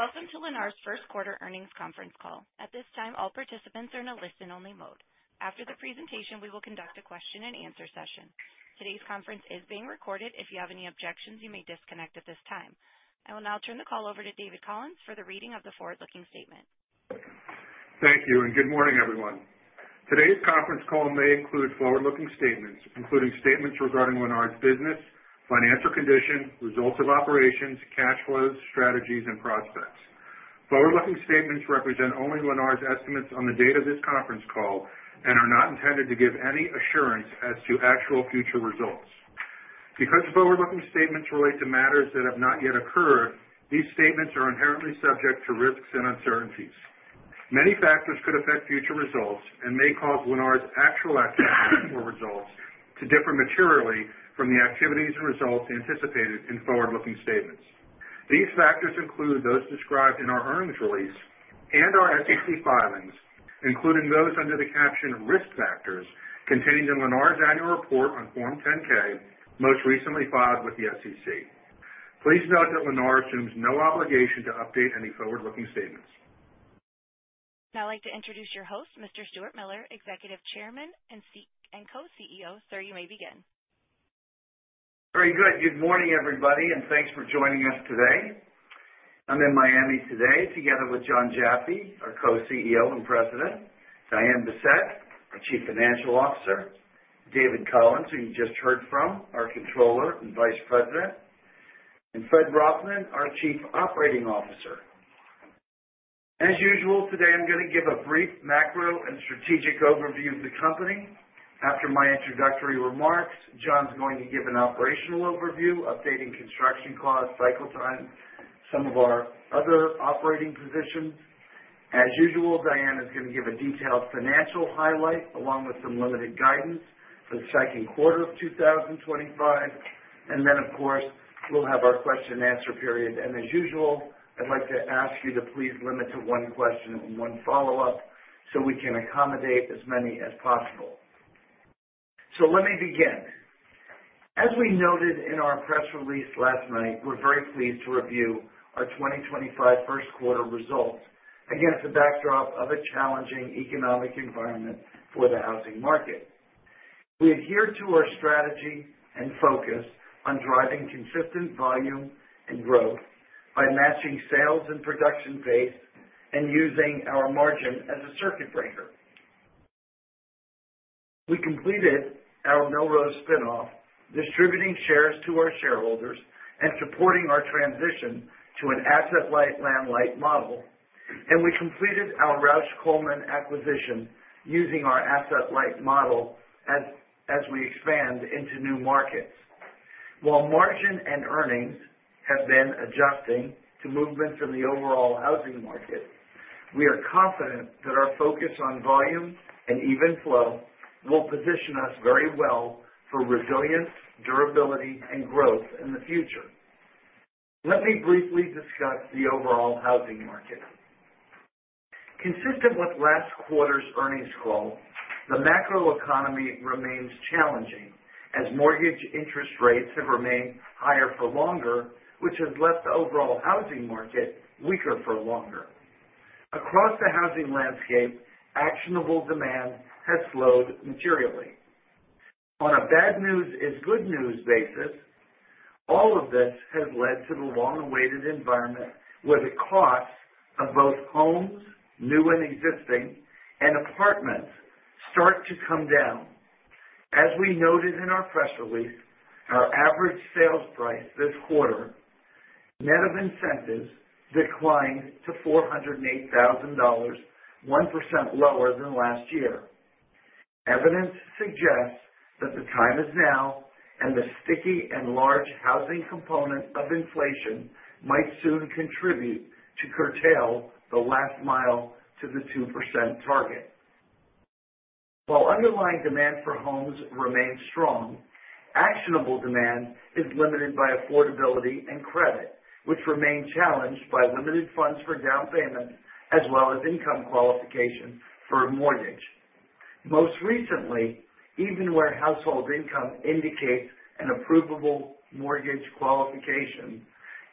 Welcome to Lennar's First Quarter Earnings Conference Call. At this time all participants are in a listen-only mode. After the presentation we will conduct a question-and-answer session. Today's conference is being recorded. If you have any objections, you may disconnect at this time. I will now turn the call over to David Collins for the reading of the forward looking statement. Thank you and good morning everyone. Today's conference call may include forward looking statements including statements regarding Lennar's business, financial condition, results of operations, cash flows, strategies and prospects. Forward looking statements represent only Lennar's estimates on the date of this conference call and are not intended to give any assurance as to actual future results. Because forward looking statements relate to matters that have not yet occurred, these statements are inherently subject to risks and uncertainties. Many factors could affect future results and may cause Lennar's actual results to differ materially from the activities and results anticipated in forward looking statements. These factors include those described in our earnings release and our SEC filings, including those under the caption Risk factors contained in Lennar's annual report on Form 10-K most recently filed with the SEC. Please note that Lennar assumes no obligation to update any forward looking statements. Now I'd like to introduce your host, Mr. Stuart Miller, Executive Chairman and Co-CEO. Sir, you may begin. Very good. Good morning everybody and thanks for joining us today. I'm in Miami today together with Jon Jaffe, our Co-CEO and President, Diane Bessette, our Chief Financial Officer, David Collins, who you just heard from, our Controller and Vice President, and Fred Rothman, our Chief Operating Officer. As usual today I'm going to give a brief macro and strategic overview of the company. After my introductory remarks, Jon's going to give an operational overview, updating construction costs, cycle times, some of our other operating positions. As usual, Diane is going to give a detailed financial highlight along with some limited guidance for the second quarter of 2025. Of course we'll have our question-and-answer period. As usual I'd like to ask you to please limit to one question and one follow up so we can accommodate as many as possible. Let me begin. As we noted in our press release last night, we're very pleased to review our 2025 first quarter results. Against the backdrop of a challenging economic environment for the housing market, we adhere to our strategy and focus on driving consistent volume and growth by matching sales and production pace with and using our margin as a circuit breaker. We completed our Millrose spinoff, distributing shares to our shareholders and supporting our transition to an asset-light land-light model and we completed our Rausch Coleman acquisition using our asset-light model. As we expand into new markets, while margin and earnings have been adjusting to movements in the overall housing market, we are confident that our focus on volume and even flow will position us very well for resilience, durability and growth in the future. Let me briefly discuss the overall housing market. Consistent with last quarter's earnings call, the macro economy remains challenging as mortgage interest rates have remained higher for longer, which has left the overall housing market weaker for longer. Across the housing landscape, actionable demand has slowed materially. On a bad-news-is-good-news basis, all of this has led to the long-awaited environment where the cost of both homes, new and existing, and apartments start to come down. As we noted in our press release, our average sales price this quarter, net of incentives, declined to $408,000, 1% lower than last year. Evidence suggests that the time is now and the sticky and large housing component of inflation might soon contribute to curtail the last mile to the 2% target. While underlying demand for homes remains strong, actionable demand is limited by affordability and credit, which remain challenged by limited funds for down payments as well as income qualification for a mortgage. Most recently, even where household income indicates an approvable mortgage, qualifications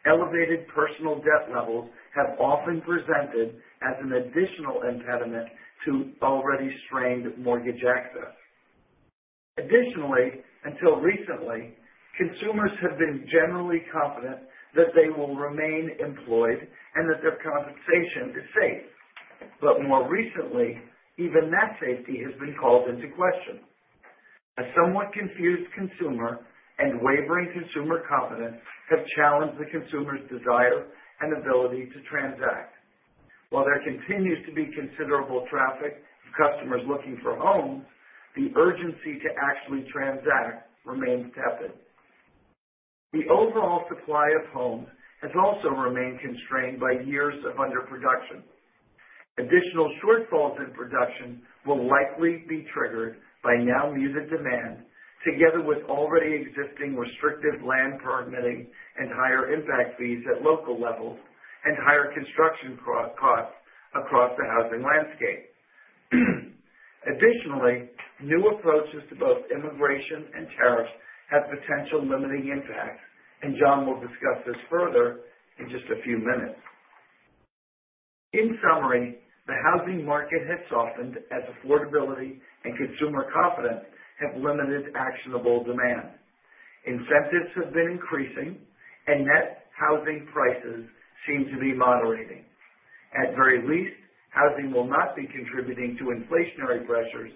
elevated personal debt levels have often presented as an additional impediment to already strained mortgage access. Additionally, until recently, consumers have been generally confident that they will remain employed and that their compensation is safe. More recently even that safety has been called into question. A somewhat confused consumer and wavering consumer confidence have challenged the consumer's desire and ability to transact. While there continues to be considerable traffic of customers looking for homes, the urgency to actually transact remains tepid. The overall supply of homes has also remained constrained by years of underproduction. Additional shortfalls in production will likely be triggered by now muted demand, together with already existing restrictive land permitting and higher impact fees at local levels and higher construction costs across the housing landscape. Additionally, new approaches to both immigration and tariffs have potential limiting impacts and Jon will discuss this further in just a few minutes. In summary, the housing market has softened as affordability and consumer confidence have limited actionable demand. Incentives have been increasing and net housing prices seem to be moderating. At very least, housing will not be contributing to inflationary pressures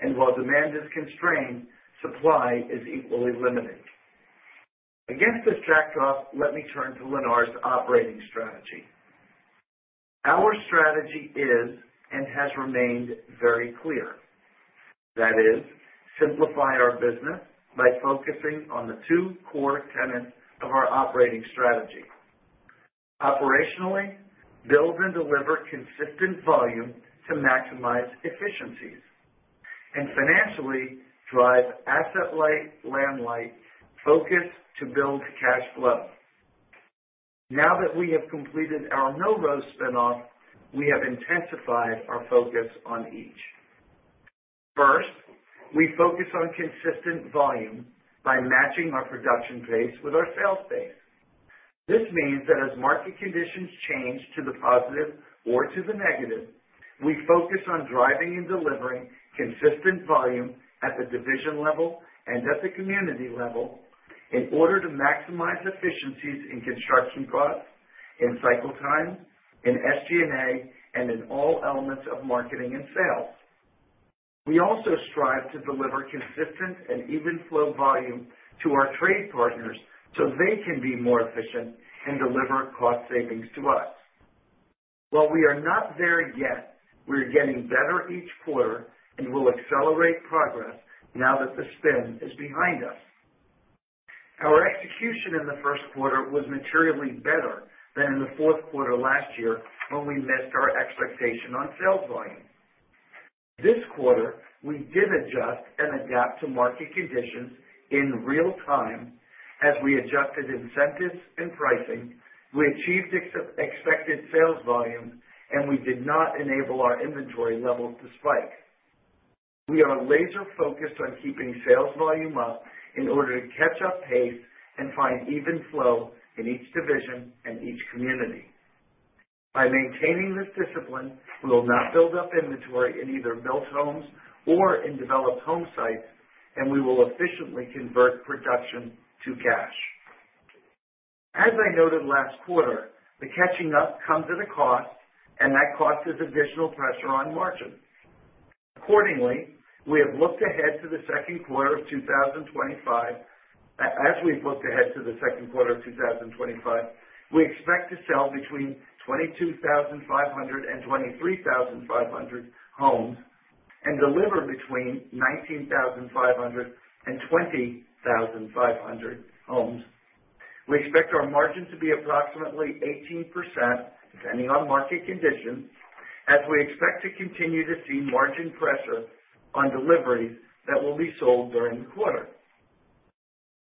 and while demand is constrained, supply is equally limited. Against this backdrop, let me turn to Lennar's operating strategy. Our strategy is and has remained very clear, that is, simplify our business by focusing on the two core tenets of our operating strategy: operationally build and deliver consistent volume to maximize efficiencies, and financially drive asset-light, land-light focus to build cash flow. Now that we have completed our Millrose spinoff, we have intensified our focus on each. First, we focus on consistent volume by matching our production base with our sales base. This means that as market conditions change to the positive or to the negative, we focus on driving and delivering consistent volume at the division level and at the community level in order to maximize efficiencies in construction costs, in cycle time, in SG&A, and in all elements of marketing and sales. We also strive to deliver consistent and even flow volume to our trade partners so they can be more efficient and deliver cost savings to us. While we are not there yet, we are getting better each quarter and will accelerate progress now that the spin is behind us. Our execution in the first quarter was materially better than in the fourth quarter last year when we missed our expectation on sales volume. This quarter we did adjust and adapt to market conditions in real time as we adjusted incentives and pricing and we achieved expected sales volumes and we did not enable our inventory levels to spike. We are laser focused on keeping sales volume up in order to catch up pace and find even flow in each division and each community. By maintaining this discipline, we will not build up inventory in either built homes or in developed homesites and we will efficiently convert production to cash. As I noted last quarter, the catching up comes at a cost and that cost is additional pressure on margin. Accordingly, we have looked ahead to the second quarter of 2025. As we've looked ahead to the second quarter of 2025, we expect to sell between 22,500 and 23,500 homes and deliver between 19,500 and 20,500 homes. We expect our margin to be approximately 18% depending on market conditions as we expect to continue to see margin pressure on deliveries that will be sold during the quarter.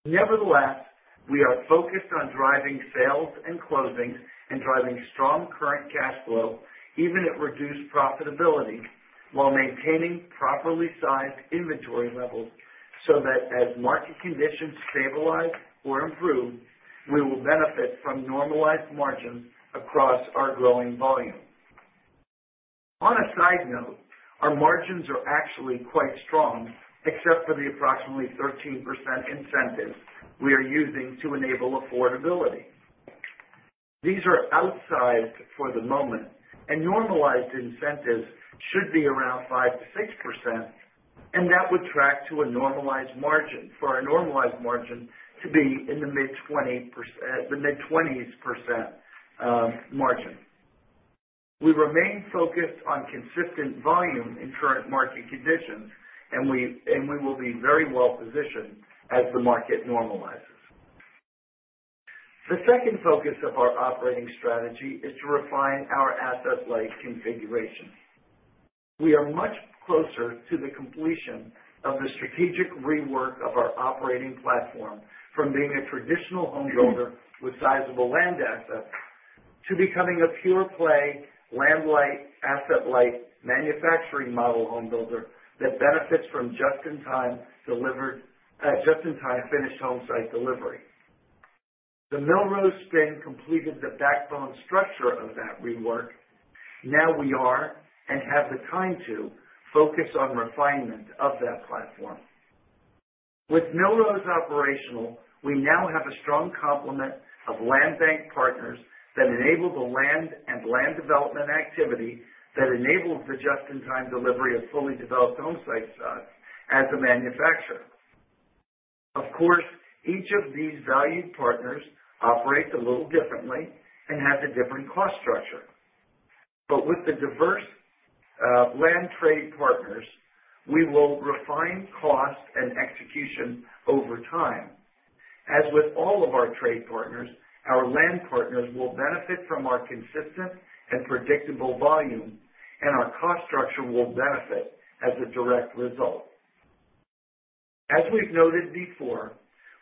Nevertheless, we are focused on driving sales and closings and driving strong current cash flow even at reduced profitability while maintaining properly sized inventory levels so that as market conditions stabilize or improve, we will benefit from normalized margins across our growing volume. On a side note, our margins are actually quite strong except for the approximately 13% incentives we are using to enable affordability. These are outsized for the moment and normalized incentives should be around 5%-6% and that would track to a normalized margin. For a normalized margin to be in the mid 20%, the mid 20s percent margin, we remain focused on consistent volume in current market conditions and we will be very well positioned as the market normalizes. The second focus of our operating strategy is to refine our asset-light configuration. We are much closer to the completion of the strategic rework of our operating platform from being a traditional home builder with sizable land assets to becoming a pure-play land-light asset-light manufacturing model home builder that benefits from just in time delivered just-in-time finished homesite delivery. The Millrose spin completed the backbone structure of that rework. Now we are and have the time to focus on refinement of that platform. With Millrose operational we now have a strong complement of land bank partners that enable the land and land development activity that enables the just in time delivery of fully developed homesites. As a manufacturer, of course, each of these valued partners operates a little differently and has a different cost structure, but with the diverse land trade partners we will refine cost and execution over time. As with all of our trade partners, our land partners will benefit from our consistent and predictable volume and our cost structure will benefit as a direct result. As we've noted before,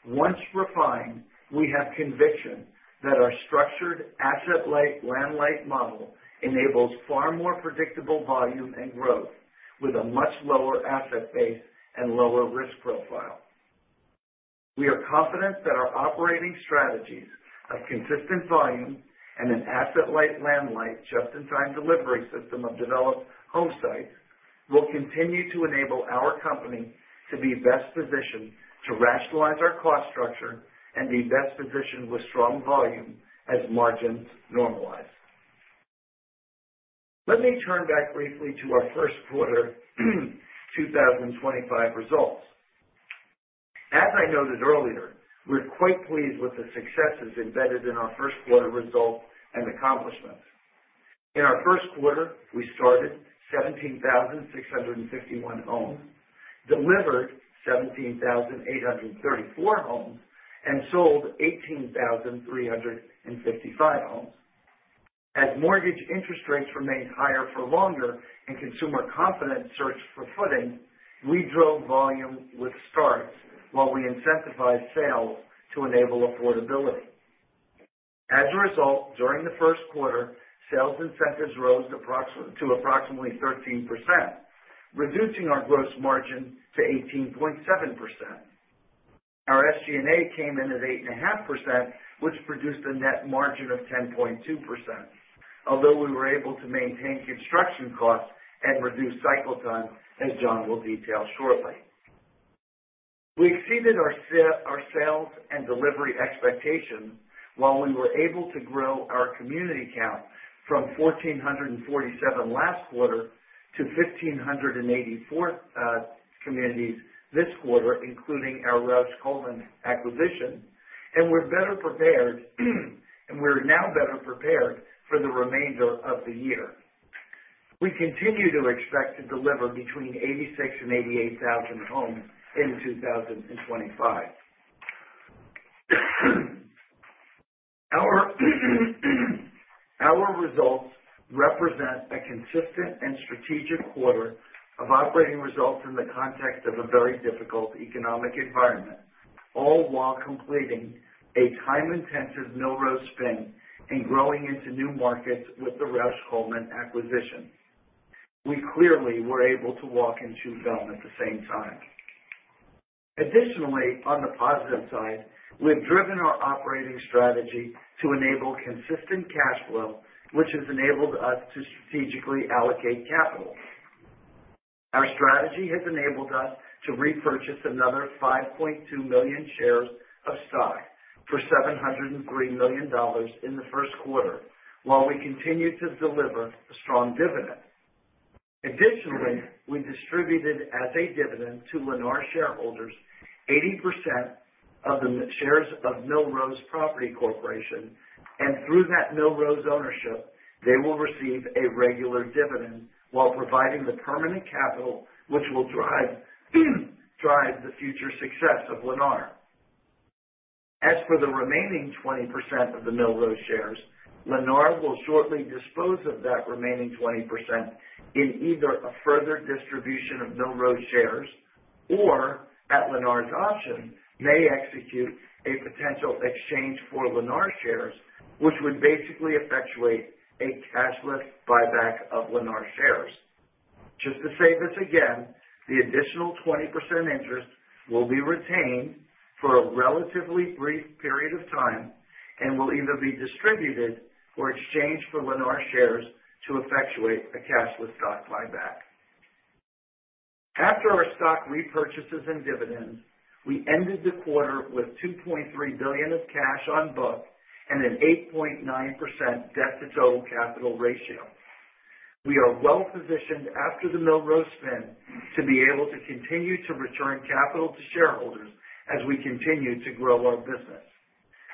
once refined, we have conviction that our structured asset-light land-light model enables far more predictable volume and growth with a much lower asset base and lower risk profile. We are confident that our operating strategies of consistent volume and an asset-light land-light just in time delivery system of developed homesites will continue to enable our company to be best positioned to rationalize our cost structure and be best positioned with strong volume as margins normalize. Let me turn back briefly to our first quarter 2025 results. As I noted earlier, we're quite pleased with the successes embedded in our first quarter results and accomplishments. In our first quarter we started 17,651 owned, delivered 17,834 homes and sold 18,355 homes. As mortgage interest rates remained higher for longer and consumer confidence searched for footing, we drove volume with starts while we incentivized sales to enable affordability. As a result, during the first quarter sales incentives rose to approximately 13% reducing our gross margin to 18.7%. Our SG&A came in at 8.5% which produced a net margin of 10.2%. Although we were able to maintain construction costs and reduce cycle time, as Jon will detail shortly, we exceeded our sales and delivery expectations. While we were able to grow our community count from 1,447 last quarter to 1,584 communities this quarter including our Rausch Coleman acquisition and we're better prepared and we're now better prepared for the remainder of the year, we continue to expect to deliver between 86,000 and 88,000 homes in 2025. Our results represent a consistent and strategic quarter of operating results in the context of a very difficult economic environment, all while completing a time-intensive Millrose spin and growing into new markets. With the Rausch Coleman acquisition, we clearly were able to walk and chew gum at the same time. Additionally, on the positive side, we have driven our operating strategy to enable consistent cash flow, which has enabled us to strategically allocate capital. Our strategy has enabled us to repurchase another 5.2 million shares of stock for $703 million in the first quarter while we continue to deliver a strong dividend. Additionally, we distributed as a dividend to Lennar shareholders 80% of the shares of Millrose Properties and through that Millrose ownership, they will receive a regular dividend while providing the permanent capital which will drive the future success of Lennar. As for the remaining 20% of the Millrose shares, Lennar will shortly dispose of that remaining 20% and in either a further distribution of Millrose shares or at Lennar's option may execute a potential exchange for Lennar shares, which would basically effectuate a cashless buyback of Lennar's shares. Just to say this again, the additional 20% interest will be retained for a relatively brief period of time and will either be distributed or exchanged for Lennar shares to effectuate a cashless stock buyback. After our stock repurchases and dividends, we ended the quarter with $2.3 billion of cash on book and an 8.9% debt to total capital ratio. We are well positioned after the Millrose spin to be able to continue to return capital to shareholders as we continue to grow our business.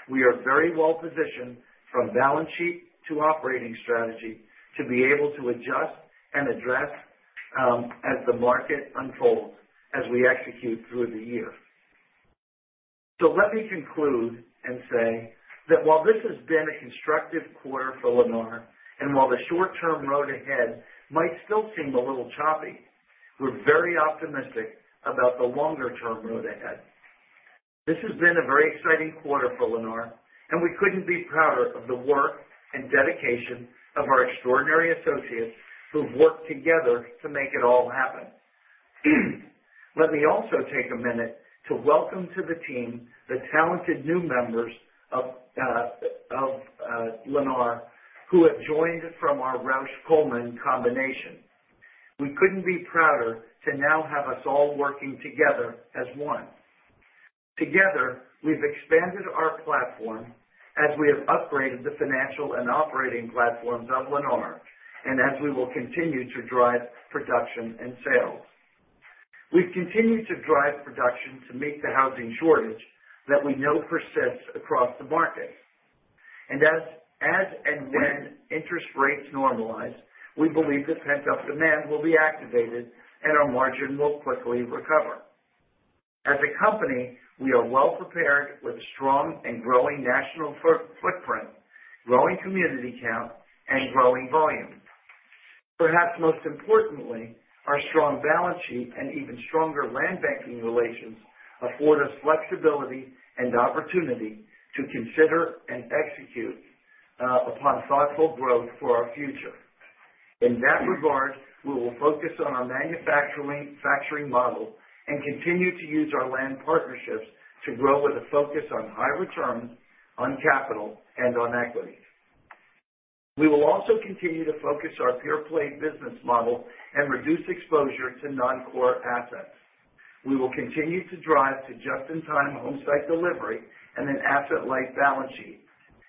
We are very well positioned from balance sheet to operating strategy to be able to adjust and address as the market unfolds as we execute through the year. Let me conclude and say that while this has been a constructive quarter for Lennar and while the short term road ahead might still seem a little choppy, we're very optimistic about the longer-term road ahead. This has been a very exciting quarter for Lennar and we couldn't be prouder of the work and dedication of our extraordinary associates who've worked together to make it all happen. Let me also take a minute to welcome to the team the talented new members of Lennar who have joined from our Rausch Coleman combination. We couldn't be prouder to now have us all working together as one. Together we've expanded our platform as we have upgraded the financial and operating platforms of Lennar and as we will continue to drive production and sales, we've continued to drive production to meet the housing shortage that we know persists across the market. As and when interest rates normalize, we believe that pent up demand will be activated and our margin will quickly recover. As a company, we are well prepared with a strong and growing national footprint, growing community count and growing volume. Perhaps most importantly, our strong balance sheet and even stronger land banking relations afford us flexibility and opportunity to consider and execute upon thoughtful growth for our future. In that regard, we will focus on our manufacturing model and continue to use our land partnerships to grow with a focus on high returns on capital and on equity. We will also continue to focus our pure-play business model and reduce exposure to non-core assets. We will continue to drive to just in time homesite delivery and an asset-light balance sheet.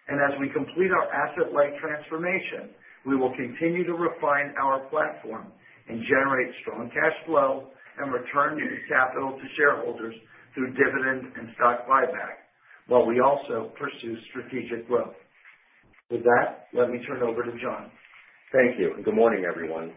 As we complete our asset-light transformation, we will continue to refine our platform and generate strong cash flow and return new capital to shareholders through dividend and stock buyback while we also pursue strategic growth. With that, let me turn over to. Jon. Thank you and good morning everyone.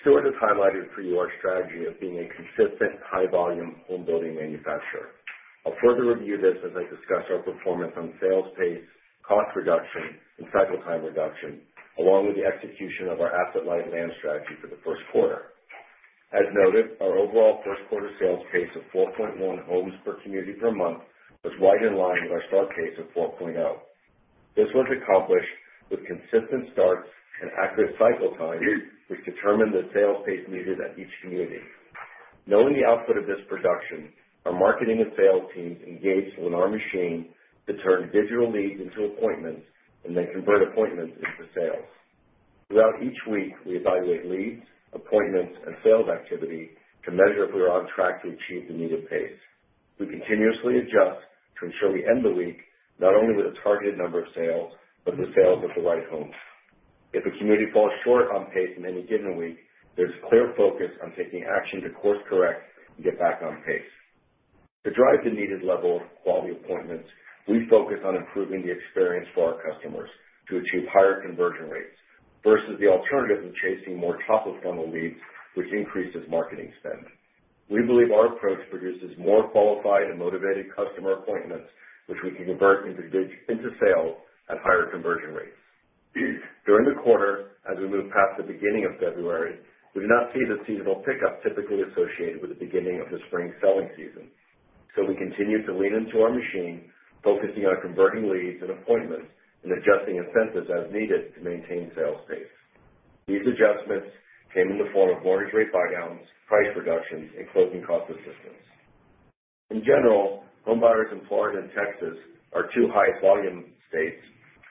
Stuart has highlighted for you our strategy of being a consistent high volume homebuilding manufacturer. I'll further review this as I discuss our performance on sales pace, cost reduction and cycle time reduction along with the execution of our asset-light land strategy for the first quarter. As noted, our overall first quarter sales pace of 4.1 homes per community per month was right in line with our start pace of 4.0. This was accomplished with consistent starts and accurate cycle time which determine the sales pace needed at each community. Knowing the output of this production, our marketing and sales teams engaged Lennar Machine to turn digital leads into appointments and then convert appointments into sales. Throughout each week we evaluate leads, appointments and sales activity to measure if we are on track to achieve the needed pace. We continuously adjust to ensure we end the week not only with a targeted number of sales but the sales of the right homes. If a community falls short on pace in any given week, there is clear focus on taking action to course correct and get back on pace to drive the needed level of quality appointments. We focus on improving the experience for our customers to achieve higher conversion rates versus the alternative of chasing more top of funnel leads which increases marketing spend. We believe our approach produces more qualified and motivated customer appointments which we can convert into sales at higher conversion rates during the quarter. As we move past the beginning of February, we do not see the seasonal pickup typically associated with the beginning of the spring selling season. We continue to lean into our machine, focusing on converting leads and appointments and adjusting incentives as needed to maintain sales pace. These adjustments came in the form of mortgage rate buy downs, price reductions, and closing cost assistance. In general, home buyers in Florida and Texas, our two high-volume states,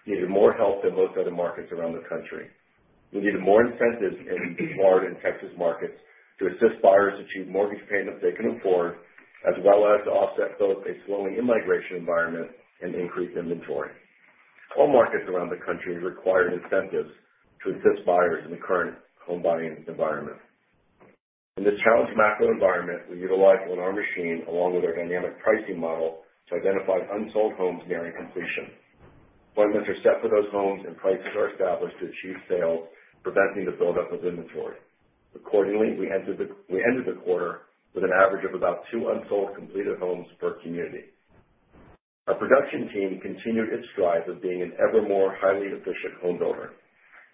needed more help than most other markets around the country. We needed more incentives in the Florida and Texas markets to assist buyers achieve mortgage payments they can afford, as well as to offset both a slowing immigration environment and increased inventory. All markets around the country require incentives to assist buyers in the current home buying environment. In this challenged macro environment, we utilize Lennar Machine along with our dynamic pricing model to identify unsold homes nearing completion. Appointments are set for those homes and prices are established to achieve sales, preventing the buildup of inventory. Accordingly, we ended the quarter with an average of about two unsold completed homes per community. Our production team continued its drive of being an ever more highly efficient homebuilder.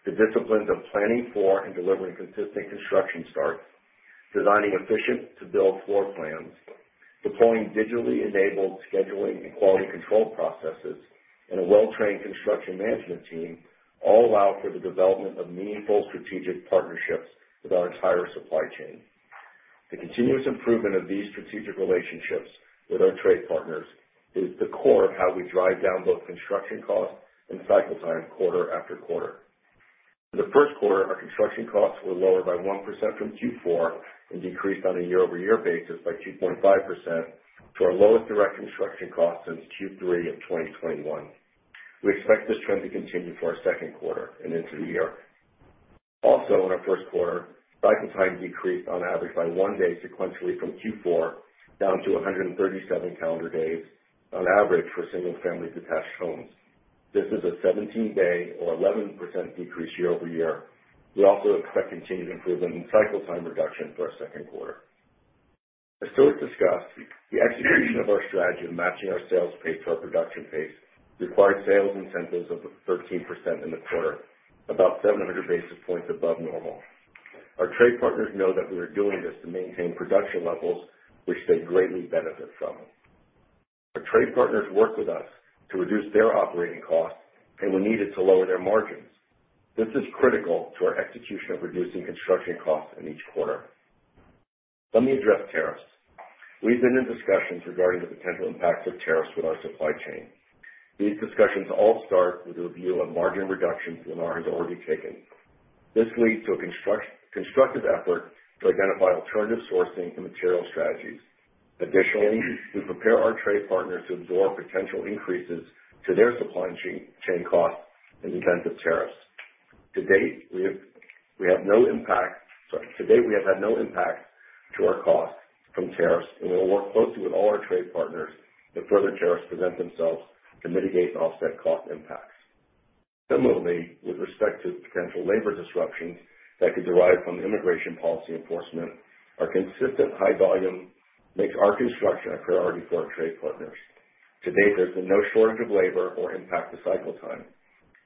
The disciplines of planning for and delivering consistent construction starts, designing efficient to build floor plans, deploying digitally enabled scheduling and quality control processes, and a well trained construction management team all allow for the development of meaningful strategic partnerships with our entire supply chain. The continuous improvement of these strategic relationships with our trade partners is the core of how we drive down both construction cost and cycle time quarter after quarter. In the first quarter, our construction costs were lower by 1% from Q4 and decreased on a year-over-year basis by 2.5% to our lowest direct construction cost since Q3 of 2021. We expect this trend to continue for our second quarter and into the year. Also, in our first quarter, cycle time decreased on average by 1 day sequentially from Q4 down to 137 calendar days on average. For single family detached homes, this is a 17 day or 11% decrease year-over-year. We also expect continued improvement in cycle time reduction for our second quarter. As Stuart discussed, the execution of our strategy of matching our sales pace to our production pace required sales incentives of 13% in the quarter, about 700 basis points above normal. Our trade partners know that we are doing this to maintain production levels which they greatly benefit from. Our trade partners worked with us to reduce their operating costs and we needed to lower their margins. This is critical to our execution of reducing construction costs in each quarter. Let me address tariffs. We've been in discussions regarding the potential impacts of tariffs with our supply chain. These discussions all start with a review of margin reductions Lennar has already taken. This leads to a constructive effort to identify alternative sourcing and material strategies. Additionally, we prepare our trade partners to absorb potential increases to their supply chain costs in the events of tariffs. To date, we have had no impact. Sorry. To date, we have had no impact to our cost from tariffs and we will work closely with all our trade partners that further tariffs present themselves to mitigate offset cost impacts. Similarly, with respect to potential labor disruptions that could derive from immigration policy enforcement, our consistent high volume makes our construction a priority for our trade partners. To date, there's been no shortage of labor or impact to cycle time.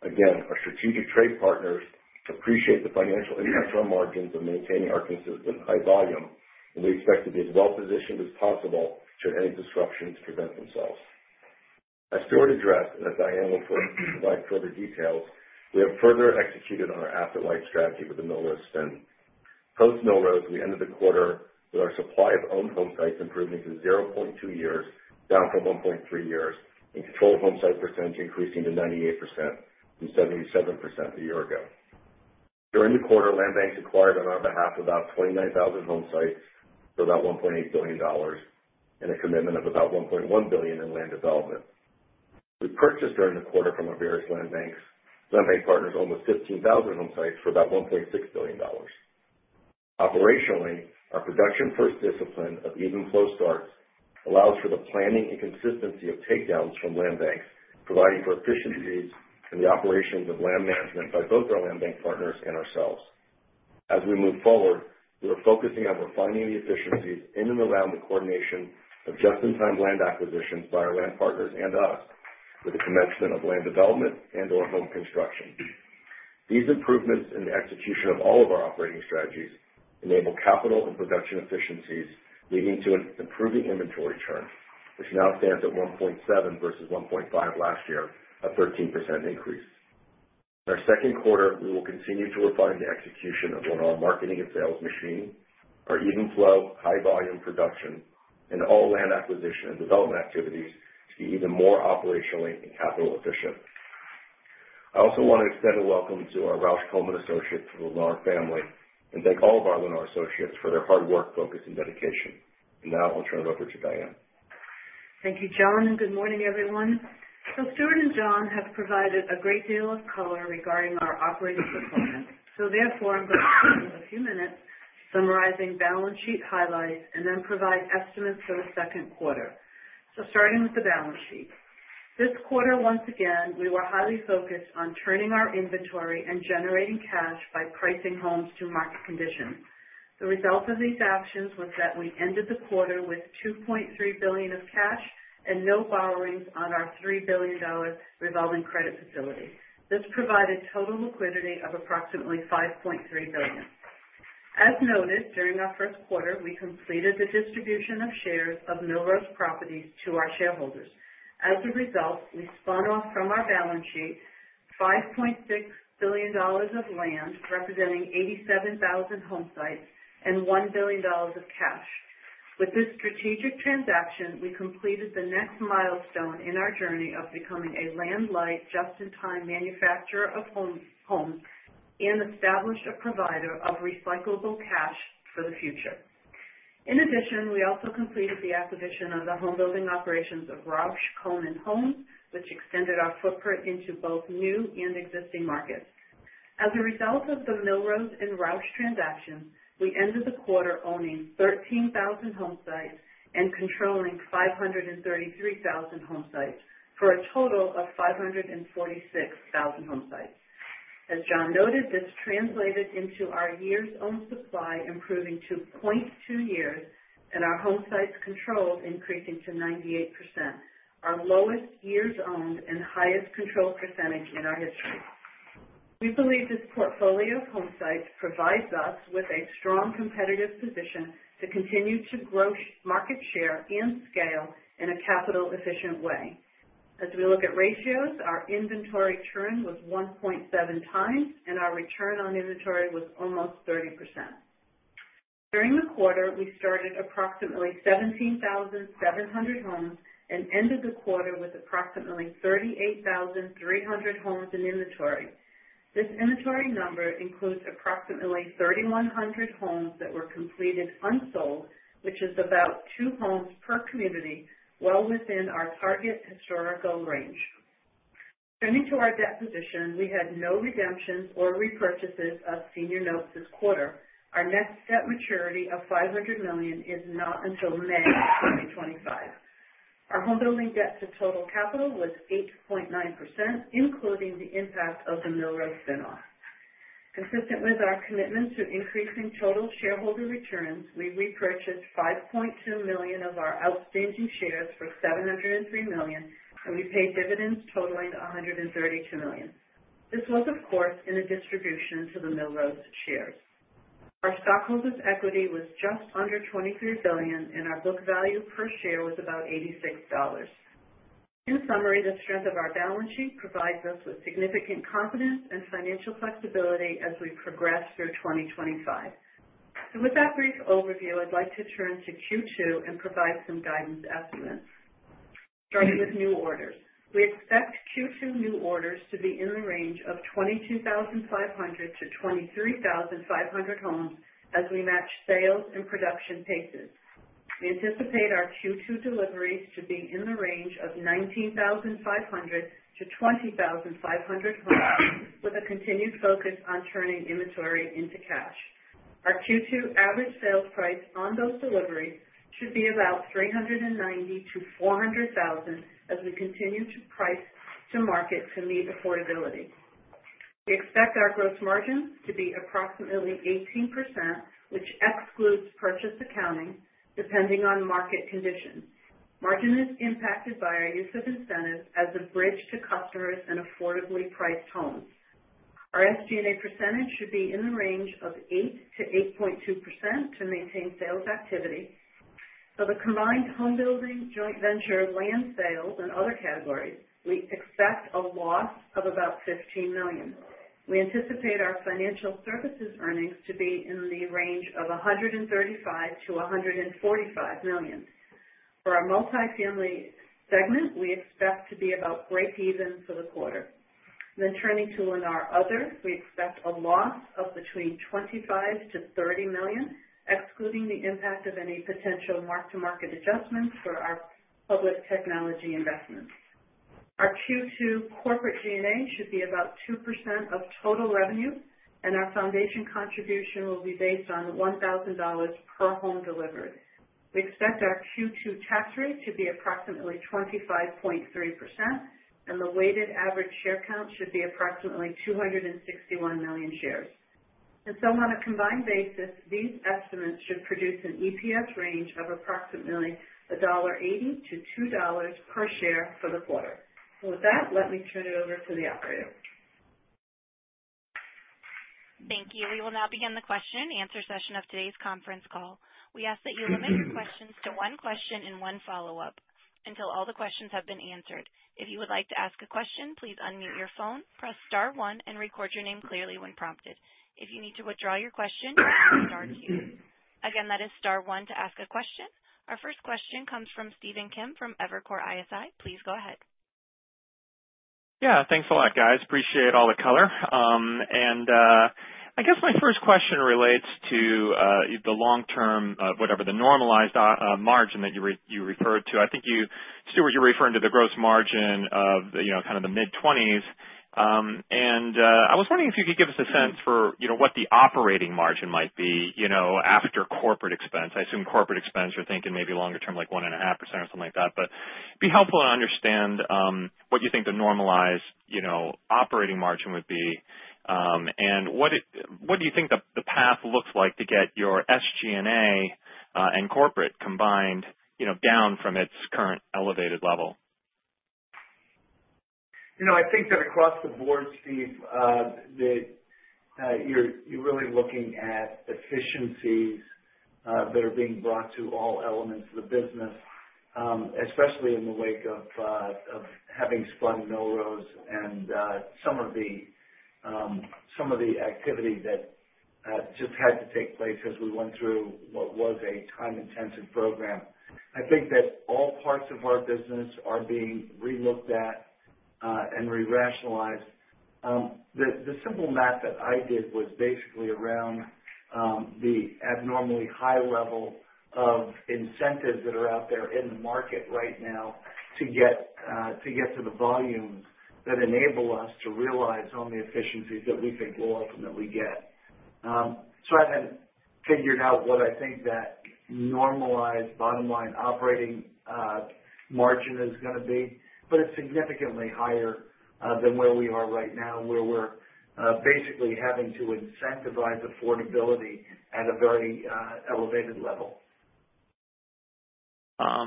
Again, our strategic trade partners appreciate the financial impacts on margins of maintaining our consistent high volume and we expect to be as well positioned as possible should any disruptions present themselves. As Stuart addressed and as Diane will provide further details, we have further executed on our asset-light strategy with the Millrose spin. Post-Millrose, we ended the quarter with our supply of owned homesites improving to 0.2 years, down from 1.3 years, and controlled homesite percentage increasing to 98% from 77% a year ago. During the quarter, land banks acquired on our behalf about 29,000 homesites for about $1.8 billion and a commitment of about $1.1 billion. In land development, we purchased during the quarter from our various land banks, land bank partners, almost 15,000 homesites for about $1.6 billion. Operationally, our production first discipline of even flow starts allows for the planning and consistency of takedowns from land banks providing for efficiencies in the operations of land management by both our land bank partners and ourselves. As we move forward, we are focusing on refining the efficiencies in and around the coordination of just in time land acquisitions by our land partners and us with the commencement of land development and or home construction. These improvements in the execution of all of our operating strategies enable capital and production efficiencies leading to an improving inventory churn which now stands at 1.7% versus 1.5% last year, a 13% increase. In our second quarter, we will continue to refine the execution of Lennar Marketing and Sales Machine, our even flow high volume production and all land acquisition and development activities to be even more operationally and capital efficient. I also want to extend a welcome to our Rausch Coleman associates to the Lennar family and thank all of our Lennar associates for their hard work, focus and dedication. Now I'll turn it over to Diane. Thank you Jon and good morning everyone. Stuart and Jon have provided a great deal of color regarding our operating performance, so therefore I'm going to spend a few minutes summarizing balance sheet highlights and then provide estimates for the second quarter. Starting with the balance sheet this quarter, once again, we were highly focused on turning our inventory and generating cash by pricing homes to market cap conditions. The result of these actions was that we ended the quarter with $2.3 billion of cash and no borrowings on our $3 billion revolving credit facility. This provided total liquidity of approximately $5.3 billion. As noted, during our first quarter we completed the distribution of shares of Millrose Properties to our shareholders. As a result, we spun off from our balance sheet $5.6 billion of land representing 87,000 homesites and $1 billion of cash. With this strategic transaction, we completed the next milestone in our journey of becoming a land-light just in time manufacturer of homes and established a provider of recyclable cash for the future. In addition, we also completed the acquisition of the home building operations of Rausch Coleman Homes, which extended our footprint into both new and existing markets. As a result of the Millrose and Rausch transaction, we ended the quarter owning 13,000 homesites and controlling 533,000 homesites for a total of 546,000 homesites. As Jon noted, this translated into our years owned supply improving to 2.2 years and our homesites control increasing to 98%, our lowest years owned and highest control percentage in our history. We believe this portfolio of homesites provides us with a strong competitive position to continue to grow market share and scale in a capital efficient way. As we look at ratios, our inventory churn was 1.7x and our return on inventory was almost 30%. During the quarter, we started approximately 17,700 homes and ended the quarter with approximately 38,300 homes in inventory. This inventory number includes approximately 3,100 homes that were completed unsold, which is about two homes per community, well within our target historical range. Turning to our debt position, we had no redemptions or repurchases of senior notes this quarter. Our next debt maturity of $500 million is not until May 2025. Our homebuilding debt to total capital was 8.9% including the impact of the Millrose spinoff. Consistent with our commitment to increasing total shareholder returns, we repurchased 5.2 million of our outstanding shares for $703 million and we paid dividends totaling $132 million. This was of course in a distribution to the Millrose shares. Our stockholders' equity was just under $23 billion and our book value per share was about $86. In summary, the strength of our balance sheet provides us with significant confidence and financial flexibility as we progress through 2025. With that brief overview, I'd like to turn to Q2 and provide some guidance estimates starting with new orders. We expect Q2 new orders to be in the range of 22,500-23,500 homes. As we match sales and production paces, we anticipate our Q2 deliveries to be in the range of 19,500-20,500 homes, with a continued focus on turning inventory into cash. Our Q2 average sales price on those deliveries should be about $390,000-$400,000. As we continue to price to market to meet affordability, we expect our gross margin to be approximately 18% which excludes purchase accounting, depending on market condition. Margin is impacted by our use of incentives as a bridge to customers and affordably priced homes. Our SG&A percentage should be in the range of 8%-8.2% to maintain sales activity. For the combined homebuilding, joint venture land sales and other categories, we expect a loss of about $15 million. We anticipate our financial services earnings to be in the range of $135-$145 million. For our multifamily segment, we expect to be about break even for the quarter. Turning to Lennar others, we expect a loss of between $25-$30 million, excluding the impact of any potential mark to market adjustments. For our public technology investment, our Q2 corporate G&A should be about 2% of total revenue and our foundation contribution will be based on $1,000 per home delivered. We expect our Q2 tax rate to be approximately 25.3% and the weighted average share count should be approximately 261 million shares. On a combined basis, these estimates should produce an EPS range of approximately $1.80-$2 per share for the quarter. With that, let me turn it over to the operator. Thank you. We will now begin the question-and-answer session of today's conference call. We ask that you limit your questions to one question and one follow up until all the questions have been answered. If you would like to ask a question, please unmute your phone, press star one and record your name clearly when prompted. If you need to withdraw your question, press star two again. That is star one to ask a question. Our first question comes from Stephen Kim from Evercore ISI. Please go ahead. Yeah, thanks a lot, guys. Appreciate all the color. I guess my first question relates to the long term. Whatever the normalized margin that you referred to, I think, Stuart, you're referring to the gross margin of kind of the mid-20s. I was wondering if you could give us a sense for what the operating margin might be after corporate, I assume, corporate expense, you're thinking maybe longer term, like 1.5% or something like that. It would be helpful to understand what you think the normalized operating margin would be. What do you think the path looks like to get your SG&A and corporate combined down from its current elevated level? I think that across the board, Steve, that you're really looking at efficiencies that are being brought to all elements of the business, especially in the wake of having spun Millrose and some of the activity that just had to take place as we went through what was a time intensive program. I think that all parts of our business are being re-looked at and re-rationalized. The simple math that I did was basically around the abnormally high level of incentives that are out there in the market right now to get to the volumes that enable us to realize on the efficiencies that we think will ultimately get. I haven't figured out what I think that normalized bottom line operating margin is going to be, but it's significantly higher than where we are right now, where we're basically having to incentivize affordability at a very elevated level.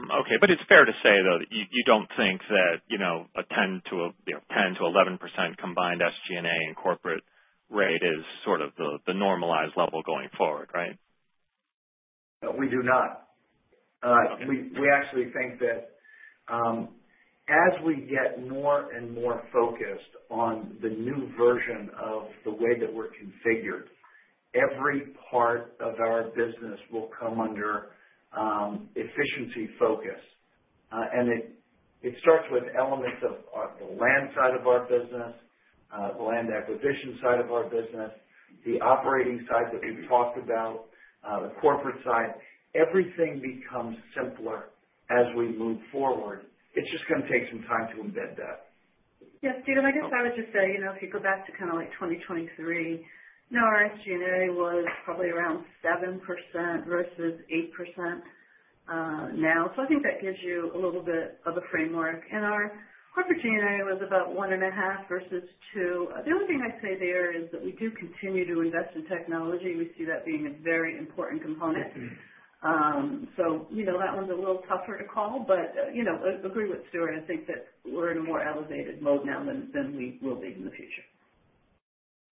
Okay, but it's fair to say though, you don't think that, you know, a 10%-11% combined SG&A and corporate rate is sort of the normalized level going forward, right? We do not. We actually think that as we get more and more focused on the new version of the way that we're configured, every part of our business will come under efficiency focus. It starts with elements of the land side of our business, the land acquisition side of our business, the operating side that we talked about, the corporate side. Everything becomes simpler as we move forward. It's just going to take some time to embed that. Yes, Stephen, I guess I would just say if you go back to kind of like 2023, our SG&A was probably around 7% versus 8% now. I think that gives you a little bit of a framework. Our corporate G&A was about one and a half versus two. The only thing I'd say there is that we do continue to invest in technology. We see that being a very important component. That one's a little tougher to call. Agree with Stuart. I think that we're in a more elevated mode now than we will be in the future.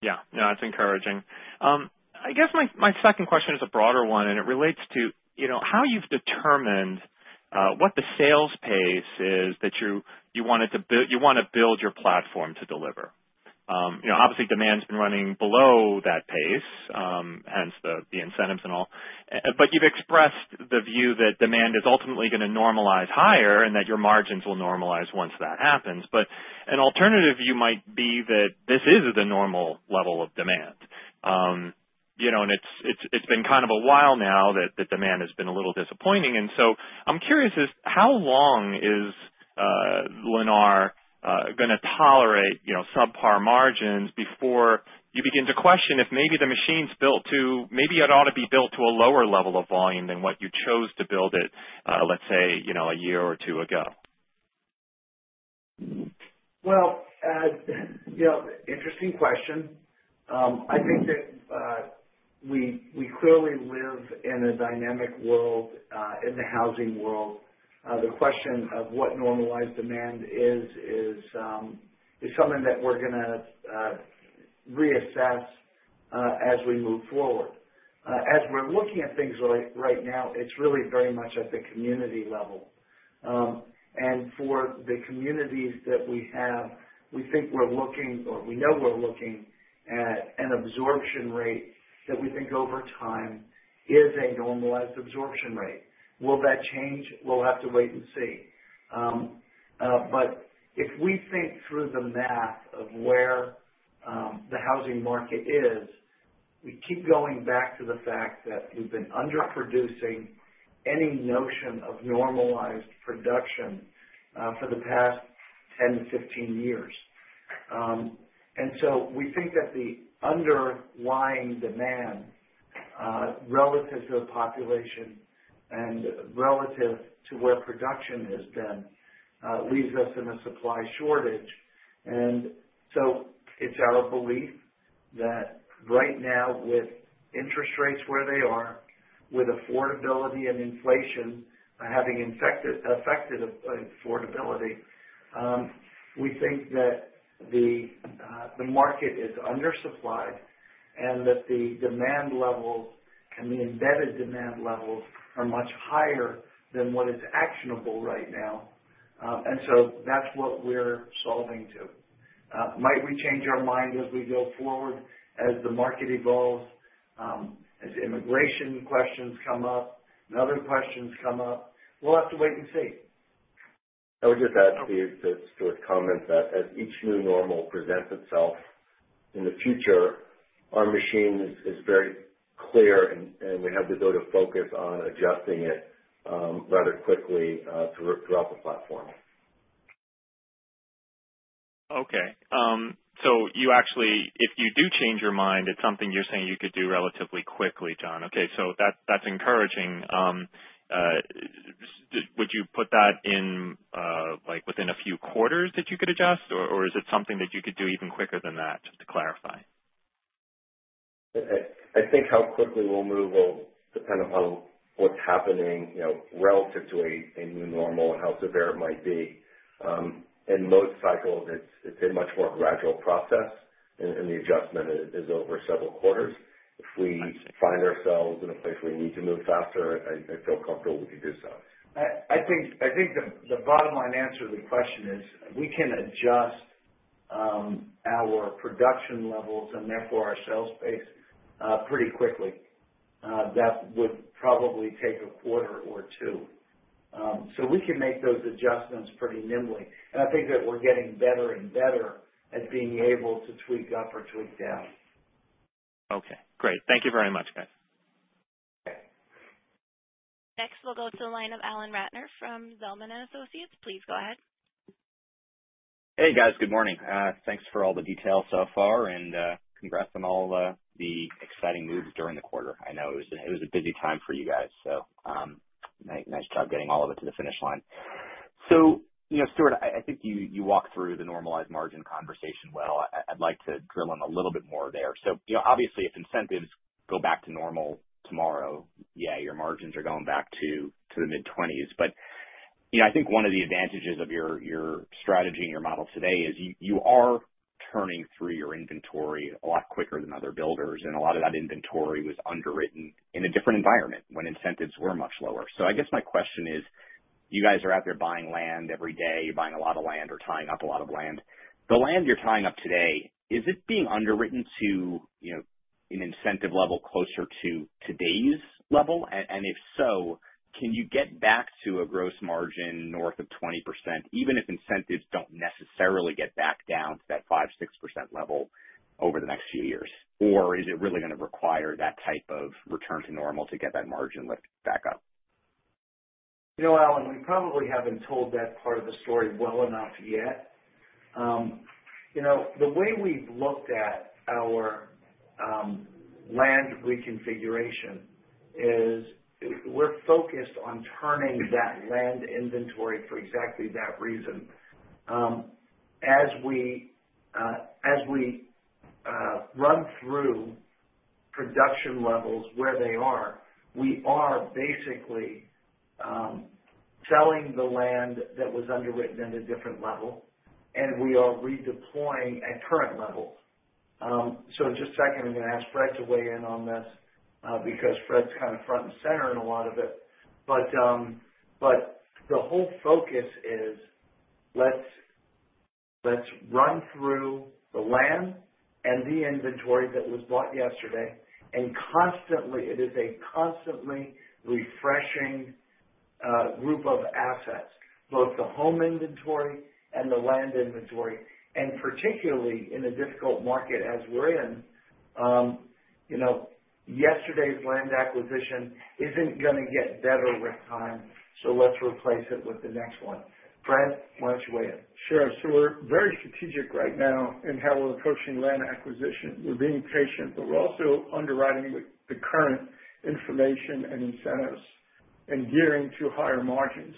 Yeah, that's encouraging. I guess my second question is a broader one, and it relates to how you've determined what the sales pace is that you want to build your platform to deliver. Obviously, demand's been running below that pace, hence the incentives and all. You've expressed the view that demand is ultimately going to normalize higher and that your margins will normalize once that happens. An alternative view might be that this is the normal level of demand, and it's been kind of a while now that demand has been a little disappointing. I'm curious, how long is Lennar going to tolerate subpar margins before you begin to question if maybe the machine's built to, maybe it ought to be built to a lower-level of volume than what you chose to build it, let's say, a year or two ago? You know, interesting question. I think that we clearly live in a dynamic world, in the housing world. The question of what normalized demand is is something that we're going to reassess as we move forward. As we're looking at things right now, it's really very much at the community level. For the communities that we have, we think we're looking, or we know we're looking at an absorption rate that we think over time is a normalized absorption rate. Will that change? We'll have to wait and see. If we think through the math of where the housing market is, we keep going back to the fact that we've been under producing any notion of normalized production for the past 10-15 years. We think that the underlying demand relative to the population and relative to where production has been leaves us in a supply shortage. It is our belief that right now, with interest rates where they are, with affordability and inflation having affected affordability, we think that the market is under supplied and that the demand levels and the embedded demand levels are much higher than what is actionable right now. That is what we are solving to. Might we change our mind as we go forward, as the market evolves, as immigration questions come up, other questions come up? We will have to wait and see. I would just add, Steve, to Stuart's comment that as each new normal presents itself in the future, our machine is very clear and we have the ability to focus on adjusting it rather quickly throughout the platform. Okay, so you actually, if you do change your mind, it's something you're saying you could do relatively quickly, Jon. Okay, that's encouraging. Would you put that in, like, within a few quarters that you could adjust, or is it something that you could do even quicker than that? Just to clarify. I think how quickly we'll move will depend upon what's happening relative to a new normal and how severe it might be. In most cycles, it's a much more gradual process, and the adjustment is over several quarters. If we find ourselves in a place where we need to move faster, I feel comfortable we can do so. I think the bottom line answer to the question is we can adjust our production levels and therefore our sales base pretty quickly. That would probably take a quarter or two. We can make those adjustments pretty nimbly. I think that we're getting better and better as being able to tweak up or tweak down. Okay, great. Thank you very much, guys. Next we'll go to the line of Alan Ratner from Zelman & Associates. Please go ahead. Hey, guys, good morning. Thanks for all the detail so far and congrats on all the exciting moves during the quarter. I know it was a busy time for you guys, so nice job getting all of it to the finish line. Stuart, I think you walked through the normalized margin conversation. I would like to drill in a little bit more there. Obviously, if incentives go back to normal tomorrow, yeah, your margins are going back to the mid-20s. I think one of the advantages of your strategy and your model today is you are turning through your inventory a lot quicker than other builders. A lot of that inventory was underwritten in a different environment when incentives were much lower. I guess my question is, you guys are out there buying land every day. You're buying a lot of land or tying up a lot of land. The land you're tying up today, is it being underwritten to an incentive level closer to today's level? If so, can you get back to a gross margin north of 20%, even if incentives don't necessarily get back down to that 5%-6% level over the next few years? Is it really going to require that type of return to normal to get that margin lift back up? You know, Alan, we probably haven't told that part of the story well enough yet. You know, the way we've looked at our land reconfiguration is we're focused on turning that land inventory for exactly that reason. As we run through production levels where they are, we are basically selling the land that was underwritten at a different level, and we are redeploying at current level. In just a second, I'm going to ask Fred to weigh in on this because Fred's kind of front and center in a lot of it. The whole focus is let's run through the land and the inventory that was bought yesterday and constantly, it is a constantly refreshing group of assets, both the home inventory and the land inventory. Particularly in a difficult market as we're in, you know, yesterday's land acquisition isn't going to get better with time, so let's replace it with the next one. Fred, why don't you weigh in? Sure. We're very strategic right now in how we're approaching land acquisition. We're being patient, but we're also underwriting the current information and incentives and gearing to higher margins.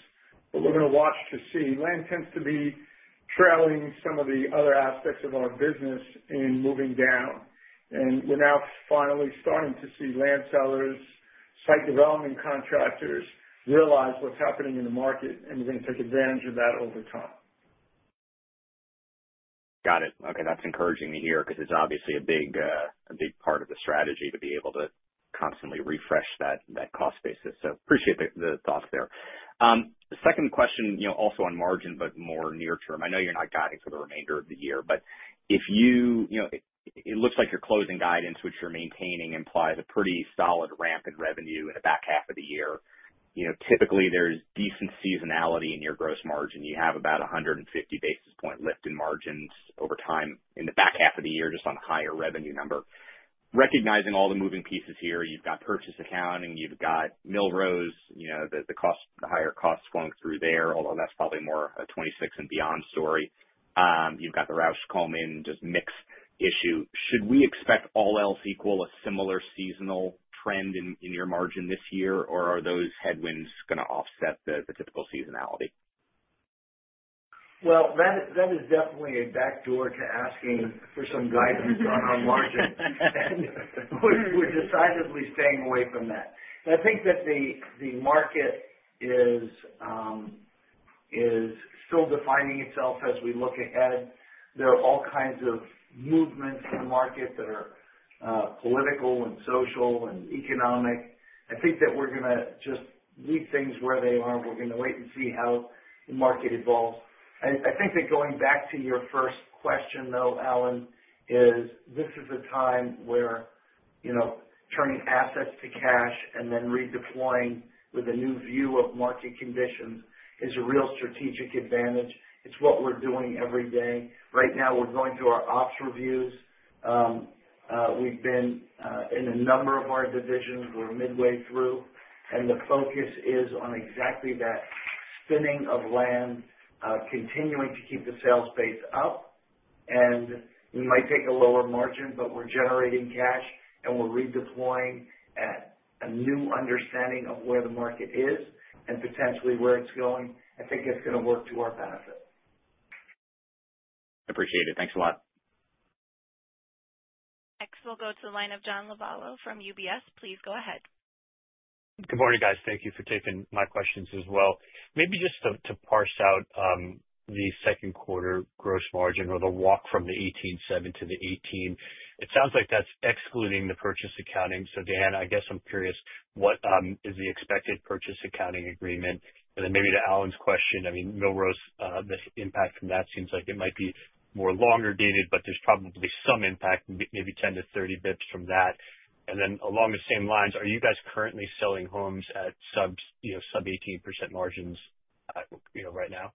We're going to watch to see land tends to be trailing some of the other aspects of our business and moving down. We're now finally starting to see land sellers, site development contractors realize what's happening in the market and we're going to take advantage of that over time. Got it. Okay. That's encouraging to hear because it's obviously a big part of the strategy to be able to constantly refresh that cost basis. So appreciate the thoughts there. Second question, also on margin, but more near-term. I know you're not guiding for the remainder of the year, but if you it looks like your closing guidance which you're maintaining implies a pretty solid ramp in revenue in the back half of the year. Typically there's decent seasonality in your gross margin. You have about 150 basis point lift in margins over time in the back half of the year just on the higher revenue number. Recognizing all the moving pieces here, you've got purchase accounting, you've got Millrose. The higher costs flung through there, although that's probably more a 2026 and beyond story. You've got the Rausch Coleman just mix issue. Should we expect all else equal a similar seasonal trend in your margin this year or are those headwinds going to offset the typical seasonality? That is definitely a backdoor to asking for some guidance on our margin. We're decidedly staying away from that. I think that the market is still defining itself as we look ahead. There are all kinds of movements in the market that are political and social and economic. I think that we're going to just leave things where they are. We're going to wait and see how the market evolves. I think that going back to your first question though, Alan, is this is a time where turning assets to cash and then redeploying with a new view of market conditions is a real strategic advantage. It's what we're doing every day right now. We're going through our ops reviews, we've been in a number of our divisions. We're midway through and the focus is on exactly that. Spinning of land, continuing to keep the sales base up. We might take a lower margin, but we're generating cash and we're redeploying a new understanding of where the market is and potentially where it's going. I think it's going to work to our benefit. Appreciate it. Thanks a lot. Next we'll go to the line of John Lovallo from UBS. Please go ahead. Good morning guys. Thank you for taking my questions as well. Maybe just to parse out the second quarter gross margin or the walk from the 18.7% to the 18%, it sounds like that's excluding the purchase accounting. So Diane, I guess I'm curious, what is the expected purchase accounting agreement? And then maybe to Alan's question, I mean Millrose, the impact from that seems like it might be more longer dated but there's probably some impact, maybe 10 to 30 basis points from that. Along the same lines, are you guys currently selling homes at sub 18% margins right now?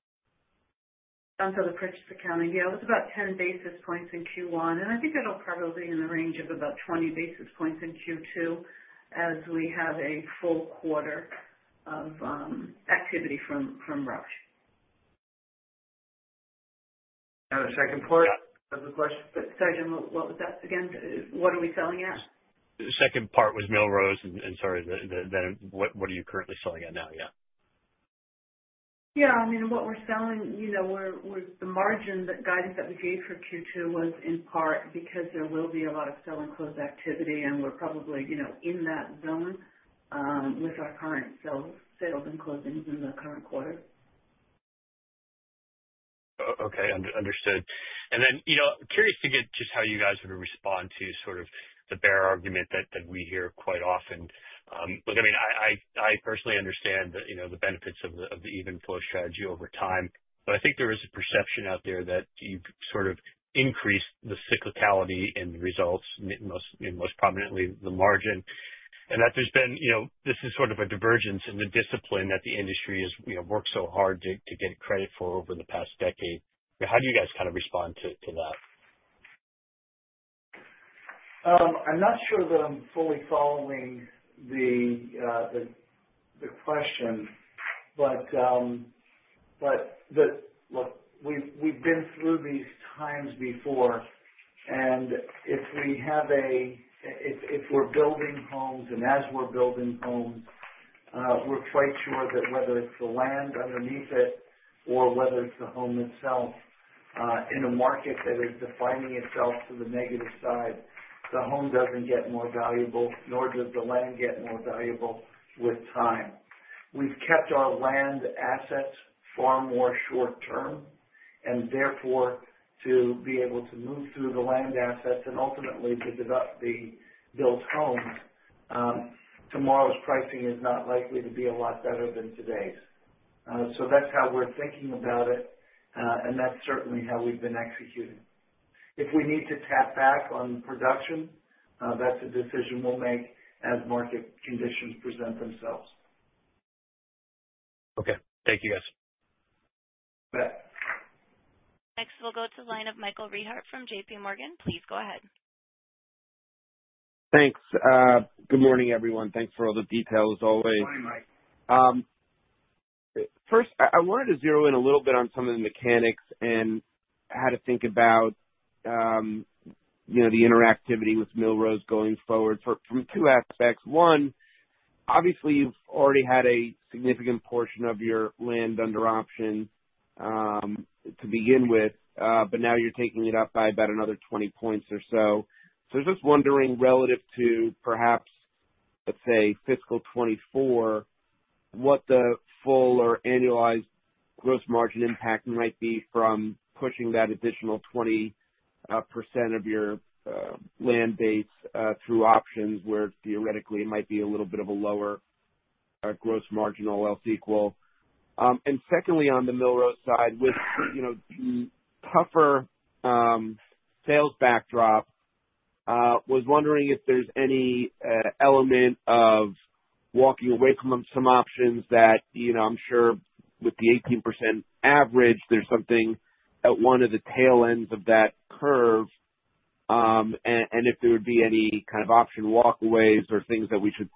Onto the purchase accounting? Yeah, it's about 10 basis points in Q1 and I think that'll probably be in the range of about 20 basis points in Q2 as we have a full quarter of activity from Rausch. Now the second part of the question. Sorry, what was that again? What are we selling at? Second part was Millrose and sorry, what are you currently selling at now? Yeah. Yeah, I mean what we're selling. You know, the margin guidance that we gave for Q2 was in part because there will be a lot of sell and close activity and we're probably, you know, in that zone with our current sales and closings in the current quarter. Okay, understood. You know, curious to get just how you guys would respond to sort of the bear argument that we hear quite often. Look, I mean I personally understand, you know, the benefits of the even flow strategy over time, but I think there is a perception out there that you sort of increase the cyclicality in the results, most prominently the margin and that there's been, you know, this is sort of a divergence in the discipline that the industry has worked so hard to get credit for over the past decade. How do you guys kind of respond to that? I'm not sure that I'm fully following the question, but look, we've been through these times before and if we have a, if we're building homes and as we're building homes, we're quite sure that whether it's the land underneath it or whether it's the home itself, in a market that is defining itself to the negative side, the home doesn't get more valuable nor does the land get more valuable with time. We've kept our land assets far more short term and therefore to be able to move through the land assets and ultimately to develop the built homes, tomorrow's pricing is not likely to be a lot better than today's. That's how we're thinking about it and that's certainly how we've been executing. If we need to tap back on production, that's a decision we'll make as market conditions present themselves. Okay, thank you guys. Next we'll go to the line of Michael Rehaut from JPMorgan. Please go ahead. Thanks. Good morning everyone. Thanks for all the details. Always. Good morning, Mike. First, I wanted to zero in a little bit on some of the mechanics and how to think about the interactivity with Millrose going forward from two aspects. One, obviously you've already had a significant portion of your land under option to begin with, but now you're taking it up by about another 20 points or so. So I was just wondering relative to perhaps let's say fiscal 2024, what the full or annualized gross margin impact might be from pushing that additional 20% of your land base through options where theoretically it might be a little bit of a lower gross margin, all else equal. On the Millrose side with tougher sales backdrop, was wondering if there's any element of walking away from some options that I'm sure with the 18% average there's something at one of the tail ends of that curve and if there would be any kind of option walkaways or things that we should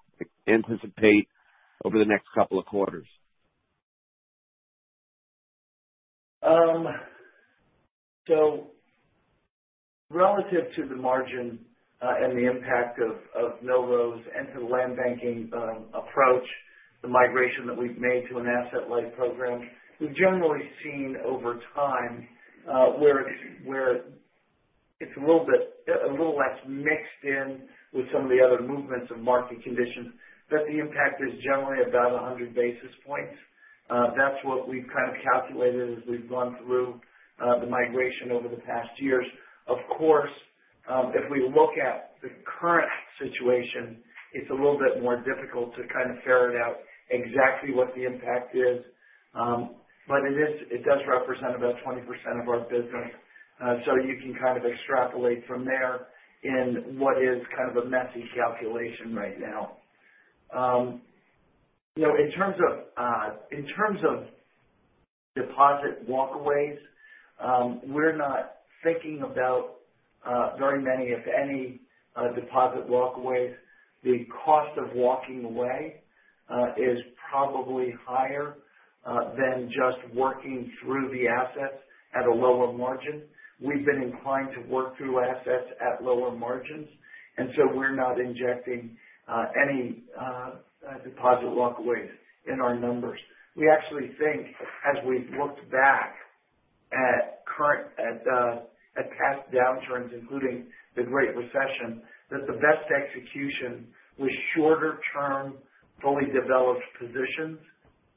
anticipate over the next couple of quarters. Relative to the margin and the impact of Novos and to the land banking approach, the migration that we've made to an asset-light program, we've generally seen over time where it's a little bit, a little less mixed in with some of the other movements of market conditions, that the impact is generally about 100 basis points. That's what we've kind of calculated as we've gone through the migration over the past years. Of course, if we look at the current situation, it's a little bit more difficult to kind of ferret out exactly what the impact is, but it does represent about 20% of our business. You can kind of extrapolate from there in what is kind of a messy calculation right now. In terms of deposit walkaways, we're not thinking about very many, if any, deposit walkaways. The cost of walking away is probably higher than just working through the assets at a lower margin. We've been inclined to work through assets at lower margins and so we're not injecting any deposit walkways in our numbers. We actually think, as we've looked back at past downturns, including the Great Recession, that the best execution with shorter term fully developed positions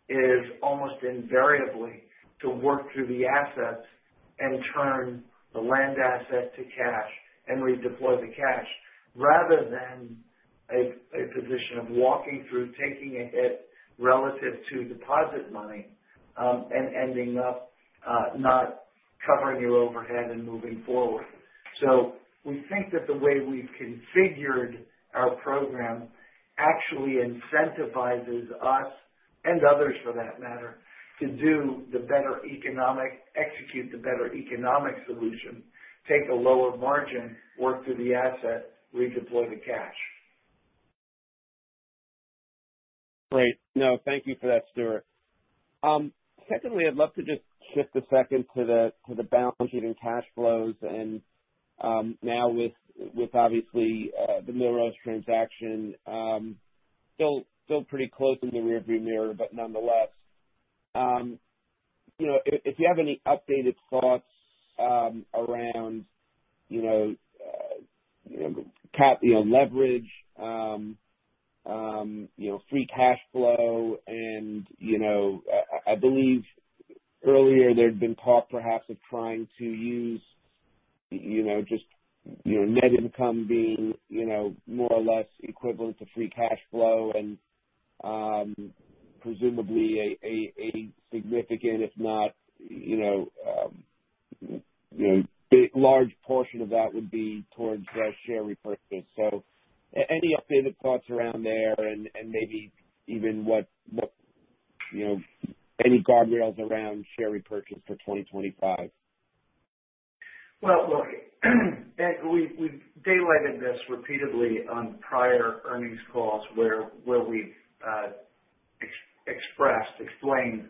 is almost invariably to work through the assets and turn the land asset to cash and redeploy the cash, rather than a position of walking through, taking a hit relative to deposit money and ending up not covering your overhead and moving forward. We think that the way we've configured our program actually incentivizes us and others for that matter to do the better economic execute the better economic solution. Take a lower margin, work through the asset, redeploy the cash. Great. No, thank you for that, Stuart. Secondly, I'd love to just shift a second to the balance sheet and cash flows and now with obviously the Millrose transaction still pretty close in the rearview mirror. Nonetheless, if you have any updated thoughts around leverage, free cash flow, and I believe earlier there had been talk perhaps of trying to use just net income being more or less equivalent to free cash flow and presumably a significant if not large portion of that would be toward share repurchase. Any updated thoughts around there? Maybe even what any guardrails around share repurchase for 2025? Look, we've daylighted this repeatedly on prior earnings calls where we expressed, explained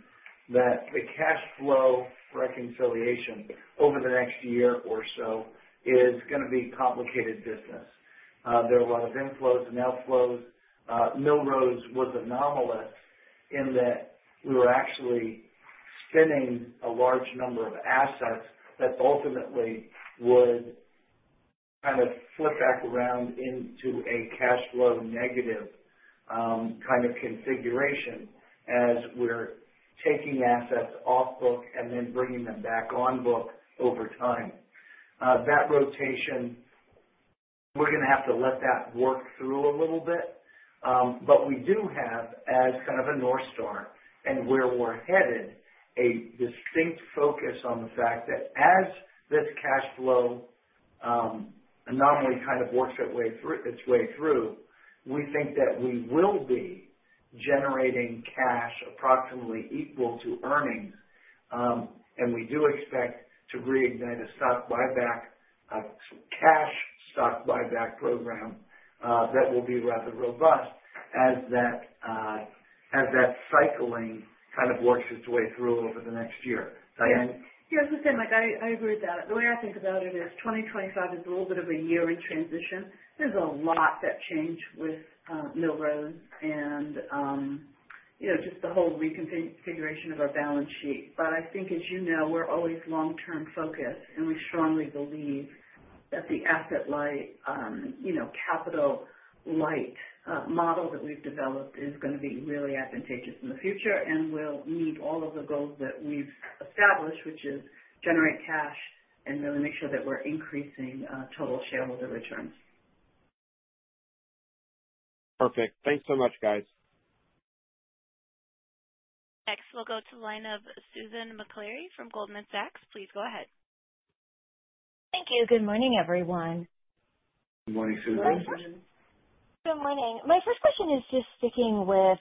that the cash flow reconciliation over the next year or so is going to be complicated business. There are a lot of inflows and outflows. Millrose was anomalous in that we were actually spinning a large number of assets that ultimately would kind of flip back around into a cash flow negative kind of configuration as we're taking assets off book and then bringing them back on book over time. That rotation, we're going to have to let that work through a little bit. We do have as kind of a North Star and where we're headed, a distinct focus on the fact that as this cash flow anomaly kind of works its way through, we think that we will be generating cash approximately equal to earnings and we do expect to reignite a stock buyback, cash stock buyback program that will be rather robust as that cycling kind of works its way through over the next year. Diane? Yeah, it's the same. I agree with that. The way I think about it is 2025 is a little bit of a year in transition. There's a lot that changed with Millrose and just the whole reconfiguration of our balance sheet. I think, as you know, we're always long term focused and we strongly believe that the asset-light capital-light model that we've developed is going to be really advantageous in the future and will meet all of the goals that we've established, which is to generate cash and really make sure that we're increasing total shareholder returns. Perfect. Thanks so much, guys. Next we'll go to the line of Susan Maklari from Goldman Sachs. Please go ahead. Thank you. Good morning, everyone. Good morning, Susan. Good morning. My first question is just sticking with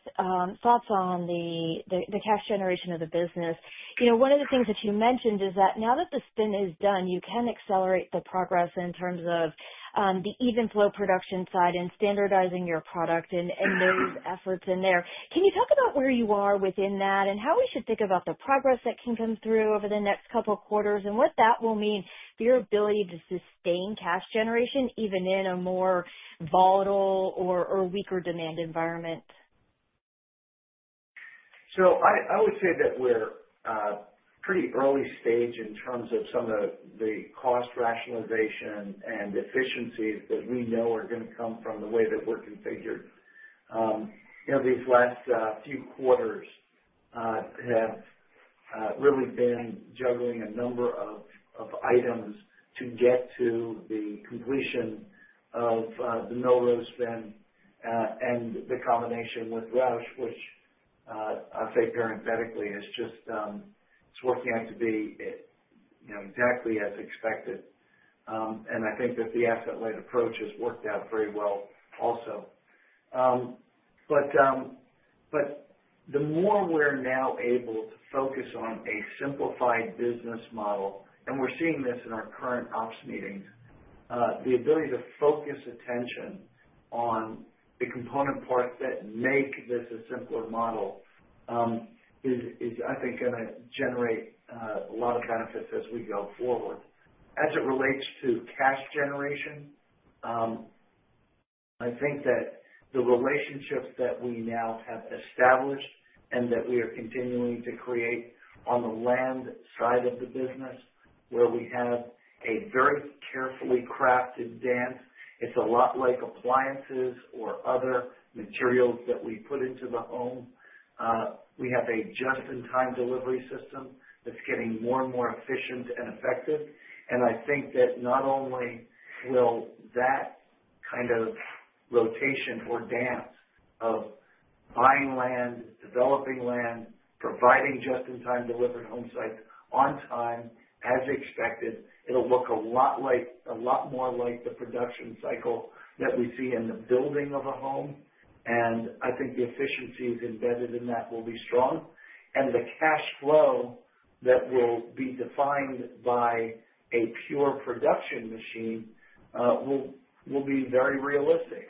thoughts on the cash generation of the business. One of the things that you mentioned is that now that the spin is done, you can accept the progress in terms of the even flow production side and standardizing your product and those efforts in there. Can you talk about where you are within that and how we should think about the progress that can come through over the next couple quarters and what that will mean for your ability to sustain cash generation even in a more volatile or weaker demand environment. I would say that we're pretty early stage in terms of some of the cost rationalization and efficiencies that we know are going to come from the way that we're configured. These last few quarters have really been juggling a number of items to get to the completion of the Millrose spend and the combination with Rausch, which I'd say parenthetically it's just, it's working out to be exactly as expected. I think that the asset-light approach has worked out very well also. The more we're now able to focus on a simplified business model, and we're seeing this in our current ops meetings, the ability to focus attention on the component parts that make this a simpler model is I think going to generate a lot of benefits as we go forward as it relates to cash generation. I think that the relationships that we now have established and that we are continuing to create on the land side of the business where we have a very carefully crafted dance. It is a lot like appliances or other materials that we put into the home. We have a just in time delivery system that is getting more and more efficient and effective. I think that not only will that kind of rotation or dance of buying land, developing land, providing just in time, delivered homesites on time, as expected, it will look a lot more like the production cycle that we see in the building of a home. I think the efficiencies embedded in that will be strong, and the cash flow that will be defined by a pure production machine will be very realistic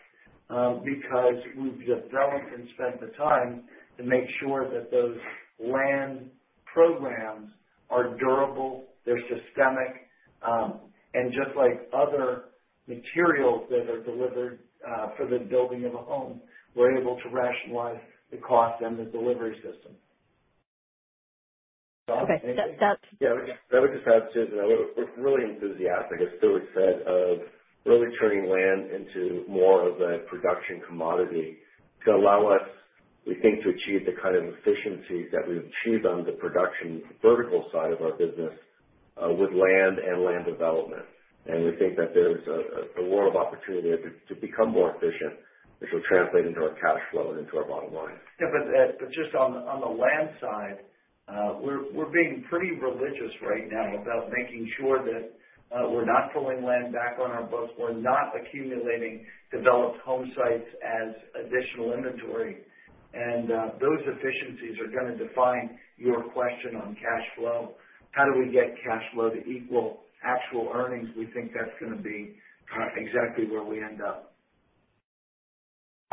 because we've developed and spent the time to make sure that those land programs are durable, they're systemic, and just like other materials that are delivered for the building of a home, we're able to rationalize the cost and the delivery system. Okay, I would just add, Susan, we're really enthusiastic, as Stuart said, of really turning land into more of a production commodity to allow us, we think, to achieve the kind of efficiencies that we've achieved on the production vertical side of our business with land and land development. We think that there's a world of opportunity to become more efficient, which will translate into our cash flow and into our bottom line. Just on the land side, we're being pretty religious right now about making sure that we're not pulling land back on our books. We're not accumulating developed homesites as additional inventory. Those efficiencies are going to define your question on cash flow. How do we get cash flow to equal actual earnings? We think that's going to be exactly where we end up.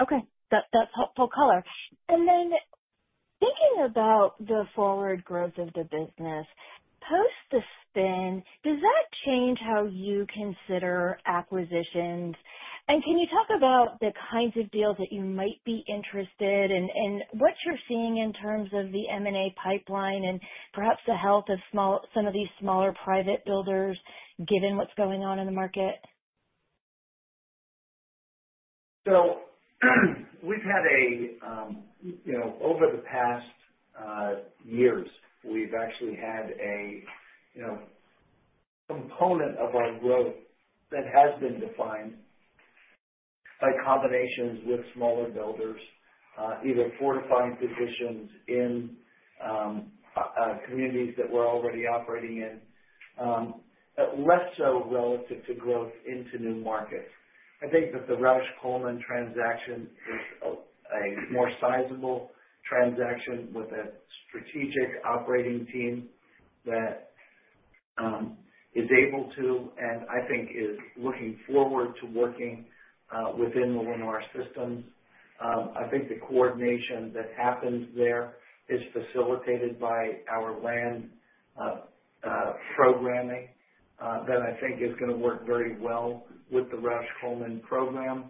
Okay, that's helpful. Color. Thinking about the forward growth of the business post the spin, does that change how you consider acquisitions? Can you talk about the kinds of deals that you might be interested in and what you're seeing in terms of the M&A pipeline and perhaps the health of some of these smaller private builders, given what's going on in the market? We have had, over the past years, a component of our growth that has been defined by combinations with smaller builders, either fortifying positions in communities that we are already operating in, less so relative to growth into new markets. I think that the Rausch Coleman transaction is a more sizable transaction with a strategic operating team that is able to, and I think is looking forward to working within the Lennar systems. I think the coordination that happens there is facilitated by our land programming that I think is going to work very well with the Rausch Coleman program.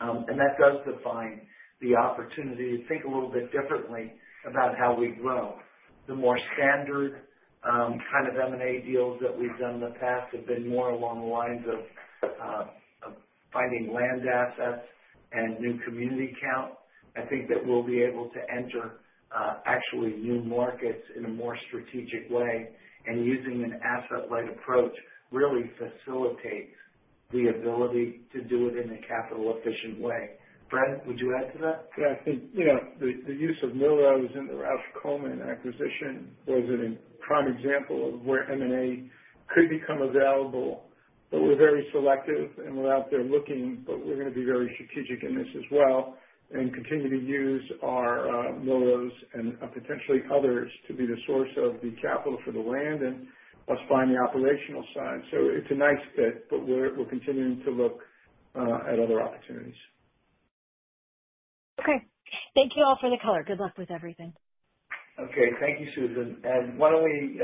That does define the opportunity to think a little bit differently about how we grow. The more standard kind of M&A deals that we have done in the past have been more along the lines of finding land assets and new community count. I think that we'll be able to enter actually new markets in a more strategic way. Using an asset-light approach really facilitates the ability to do it in a capital efficient way. Fred, would you add to that? I think, you know, the use of Millrose and the Rausch Coleman acquisition was a prime example of where M&A could become available. We're very selective and we're out there looking, but we're going to be very strategic in this as well and continue to use our Millrose and potentially others to be the source of the capital for the land. Let's find the operational side. It's a nice fit, but we're continuing to look at other opportunities. Okay, thank you all for the color. Good luck with everything. Okay, thank you, Susan. Why don't we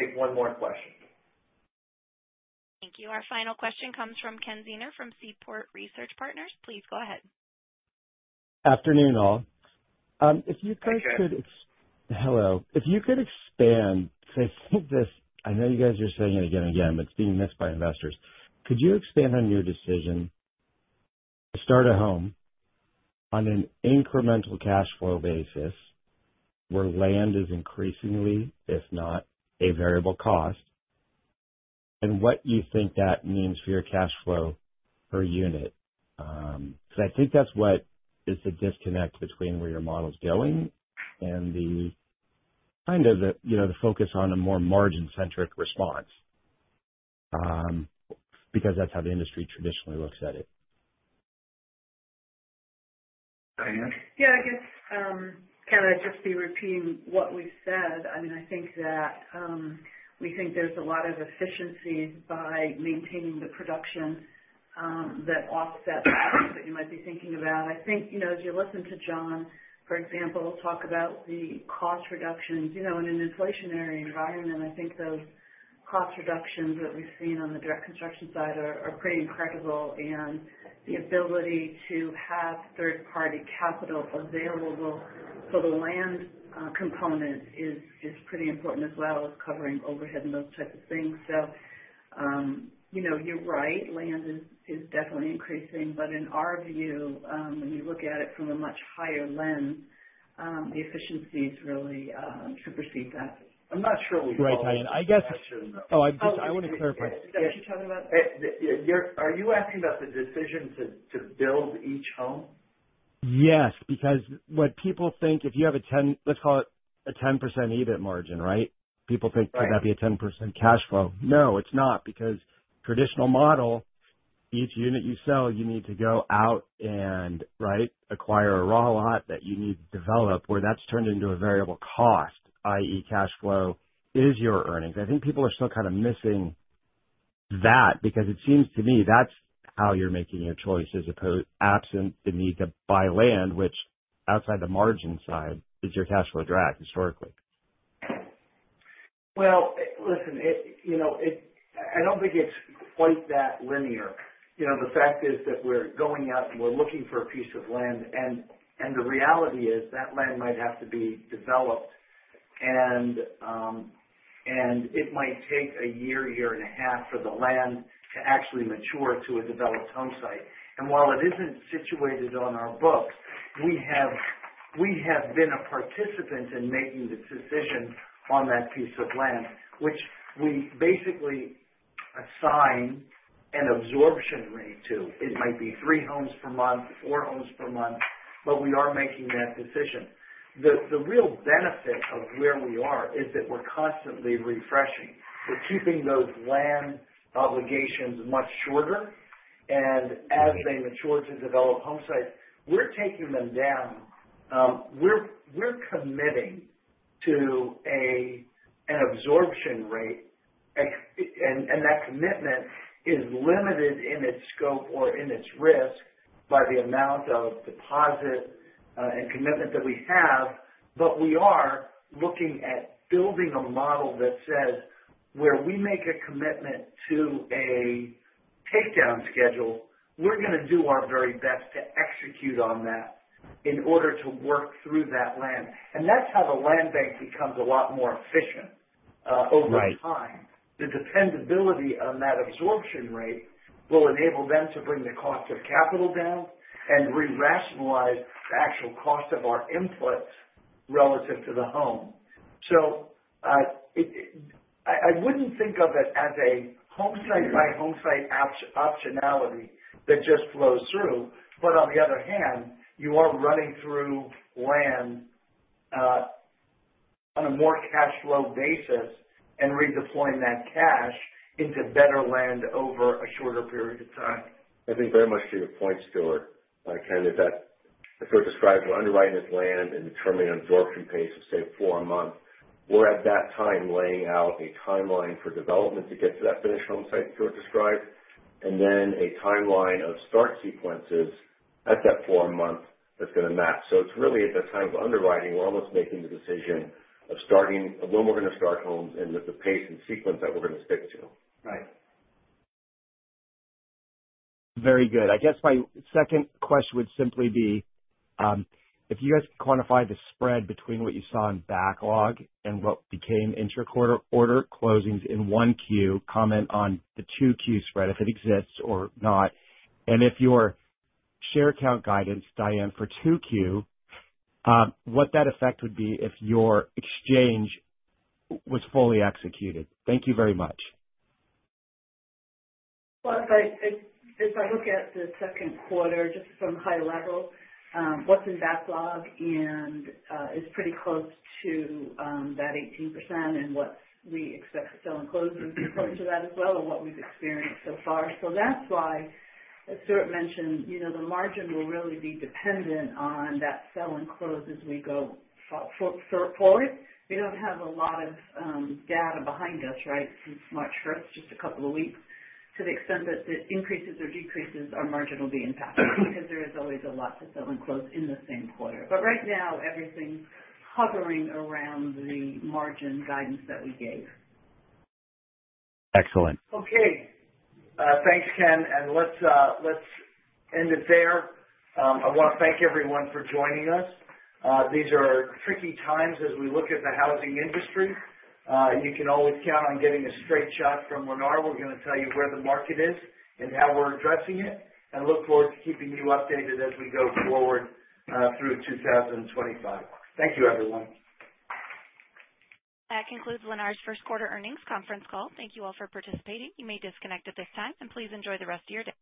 take one more question? Thank you. Our final question comes from Ken Zener from Seaport Research Partners. Please go ahead. Afternoon all. If you guys could, hello. If you could expand. I know you guys are saying it again and again, but it's being missed by investors. Could you expand on your decision to start a home on an incremental cash flow basis where land is increasingly, if not a variable cost, and what you think that means for your cash flow per unit? Because I think that's what is the disconnect between where your model is going and the kind of the focus on a more margin centric response. Because. That's how the industry traditionally looks at it. Diane? Yeah, I guess, Ken, I'd just be repeating what we've said. I mean, I think that we think there's a lot of efficiencies by maintaining the production that offset that, that you might be thinking about. I think, you know, as you listen to Jon, for example, talk about the cost reductions, you know, in an inflationary environment, I think those cost reductions that we've seen on the direct construction side are pretty incredible. And the ability to have third party capital available for the land component is pretty important as well as covering overhead and those types of things. You know, you're right. Land is definitely increasing. But in our view, when you look at it from a much higher lens, the efficiencies really supersede that. I'm not sure. Right, Diane? I guess. Oh, I want to clarify. Is that what you're talking about? Are you asking about the decision to build each home? Yes. Because what people think, if you have a 10, let's call it a 10% EBIT margin. Right. People think, could that be a 10% cash flow. No, it's not. Because traditional model each unit you sell, you need to go out and acquire a raw lot that you need to develop. Where that's turned into a variable cost, i.e. cash flow is your earnings. I think people are still kind of missing that because it seems to me that's how you're making your choice as opposed absent the need to buy land, which outside the margin side is your cash flow drag historically? I don't think it's quite that linear. The fact is that we're going out and we're looking for a piece of land. The reality is that land might have to be developed and it might take a year, year and a half for the land to actually mature to a developed homesite. While it isn't situated on our books, we have been a participant in making the decision on that piece of land which we basically assign an absorption rate to. It might be three homes per month, four homes per month, but we are making that decision. The real benefit of where we are is that we're constantly refreshing. We're keeping those land obligations much shorter and as they mature to developed homesites, we're taking them down. We're committing to an absorption rate. That commitment is limited in its scope or in its risk by the amount of deposit and commitment that we have. We are looking at building a model that says where we make a commitment to a takedown schedule, we're going to do our very best to execute on that in order to work through that land. That is how the land bank becomes a lot more efficient over time. The dependability on that absorption rate will enable them to bring the cost of capital down and re-rationalize the actual cost of our inputs relative to the home. I would not think of it as a homesite-by-homesite optionality that just flows through. On the other hand, you are running through land on a more cash flow basis and redeploying that cash into better land over a shorter period of time. I think very much to your point, Stuart, Ken, is that Stuart described we're underwriting this land and determining an absorption pace of say four a month. We're at that time laying out a timeline for development to get to that finished homesite Stuart described and then a timeline of start sequences at that four a month that's going to match. It is really at the time of underwriting, we're almost making the decision of starting when we're going to start homes, and with the pace and sequence that we're going to stick to. Right Very good. I guess my second question would simply. Be if you guys can quantify the spread between what you saw in backlog and what became intra-quarter order closings in 1Q, comment on the 2Q spread if it exists or not. If your share count guidance, Diane, for 2Q, what that effect would be if your exchange was fully executed. Thank you very much. If I look at the second quarter just from high level, what's in backlog and is pretty close to that 18% and what we expect to sell. Close is important to that as. What we've experienced so far, that's why, as Stuart mentioned, you know, the margin will really be dependent on that sell and close as we go forward. We don't have a lot of data behind us right since March 1, just a couple of weeks. To the extent that it increases or decreases, our margin will be impacted because there is always a lot to sell. Close in the same quarter. Right now everything's hovering around the margin guidance that we gave. Excellent. Okay, thanks, Ken. Let's end it there. I want to thank everyone for joining us. These are tricky times as we look at the housing industry. You can always count on getting a straight shot from Lennar. We're going to tell you where the market is and how we're addressing it and look forward to keeping you updated as we go forward through 2025. Thank you, everyone. That concludes Lennar's first quarter earnings conference call. Thank you all for participating. You may disconnect at this time and please enjoy the rest of your day.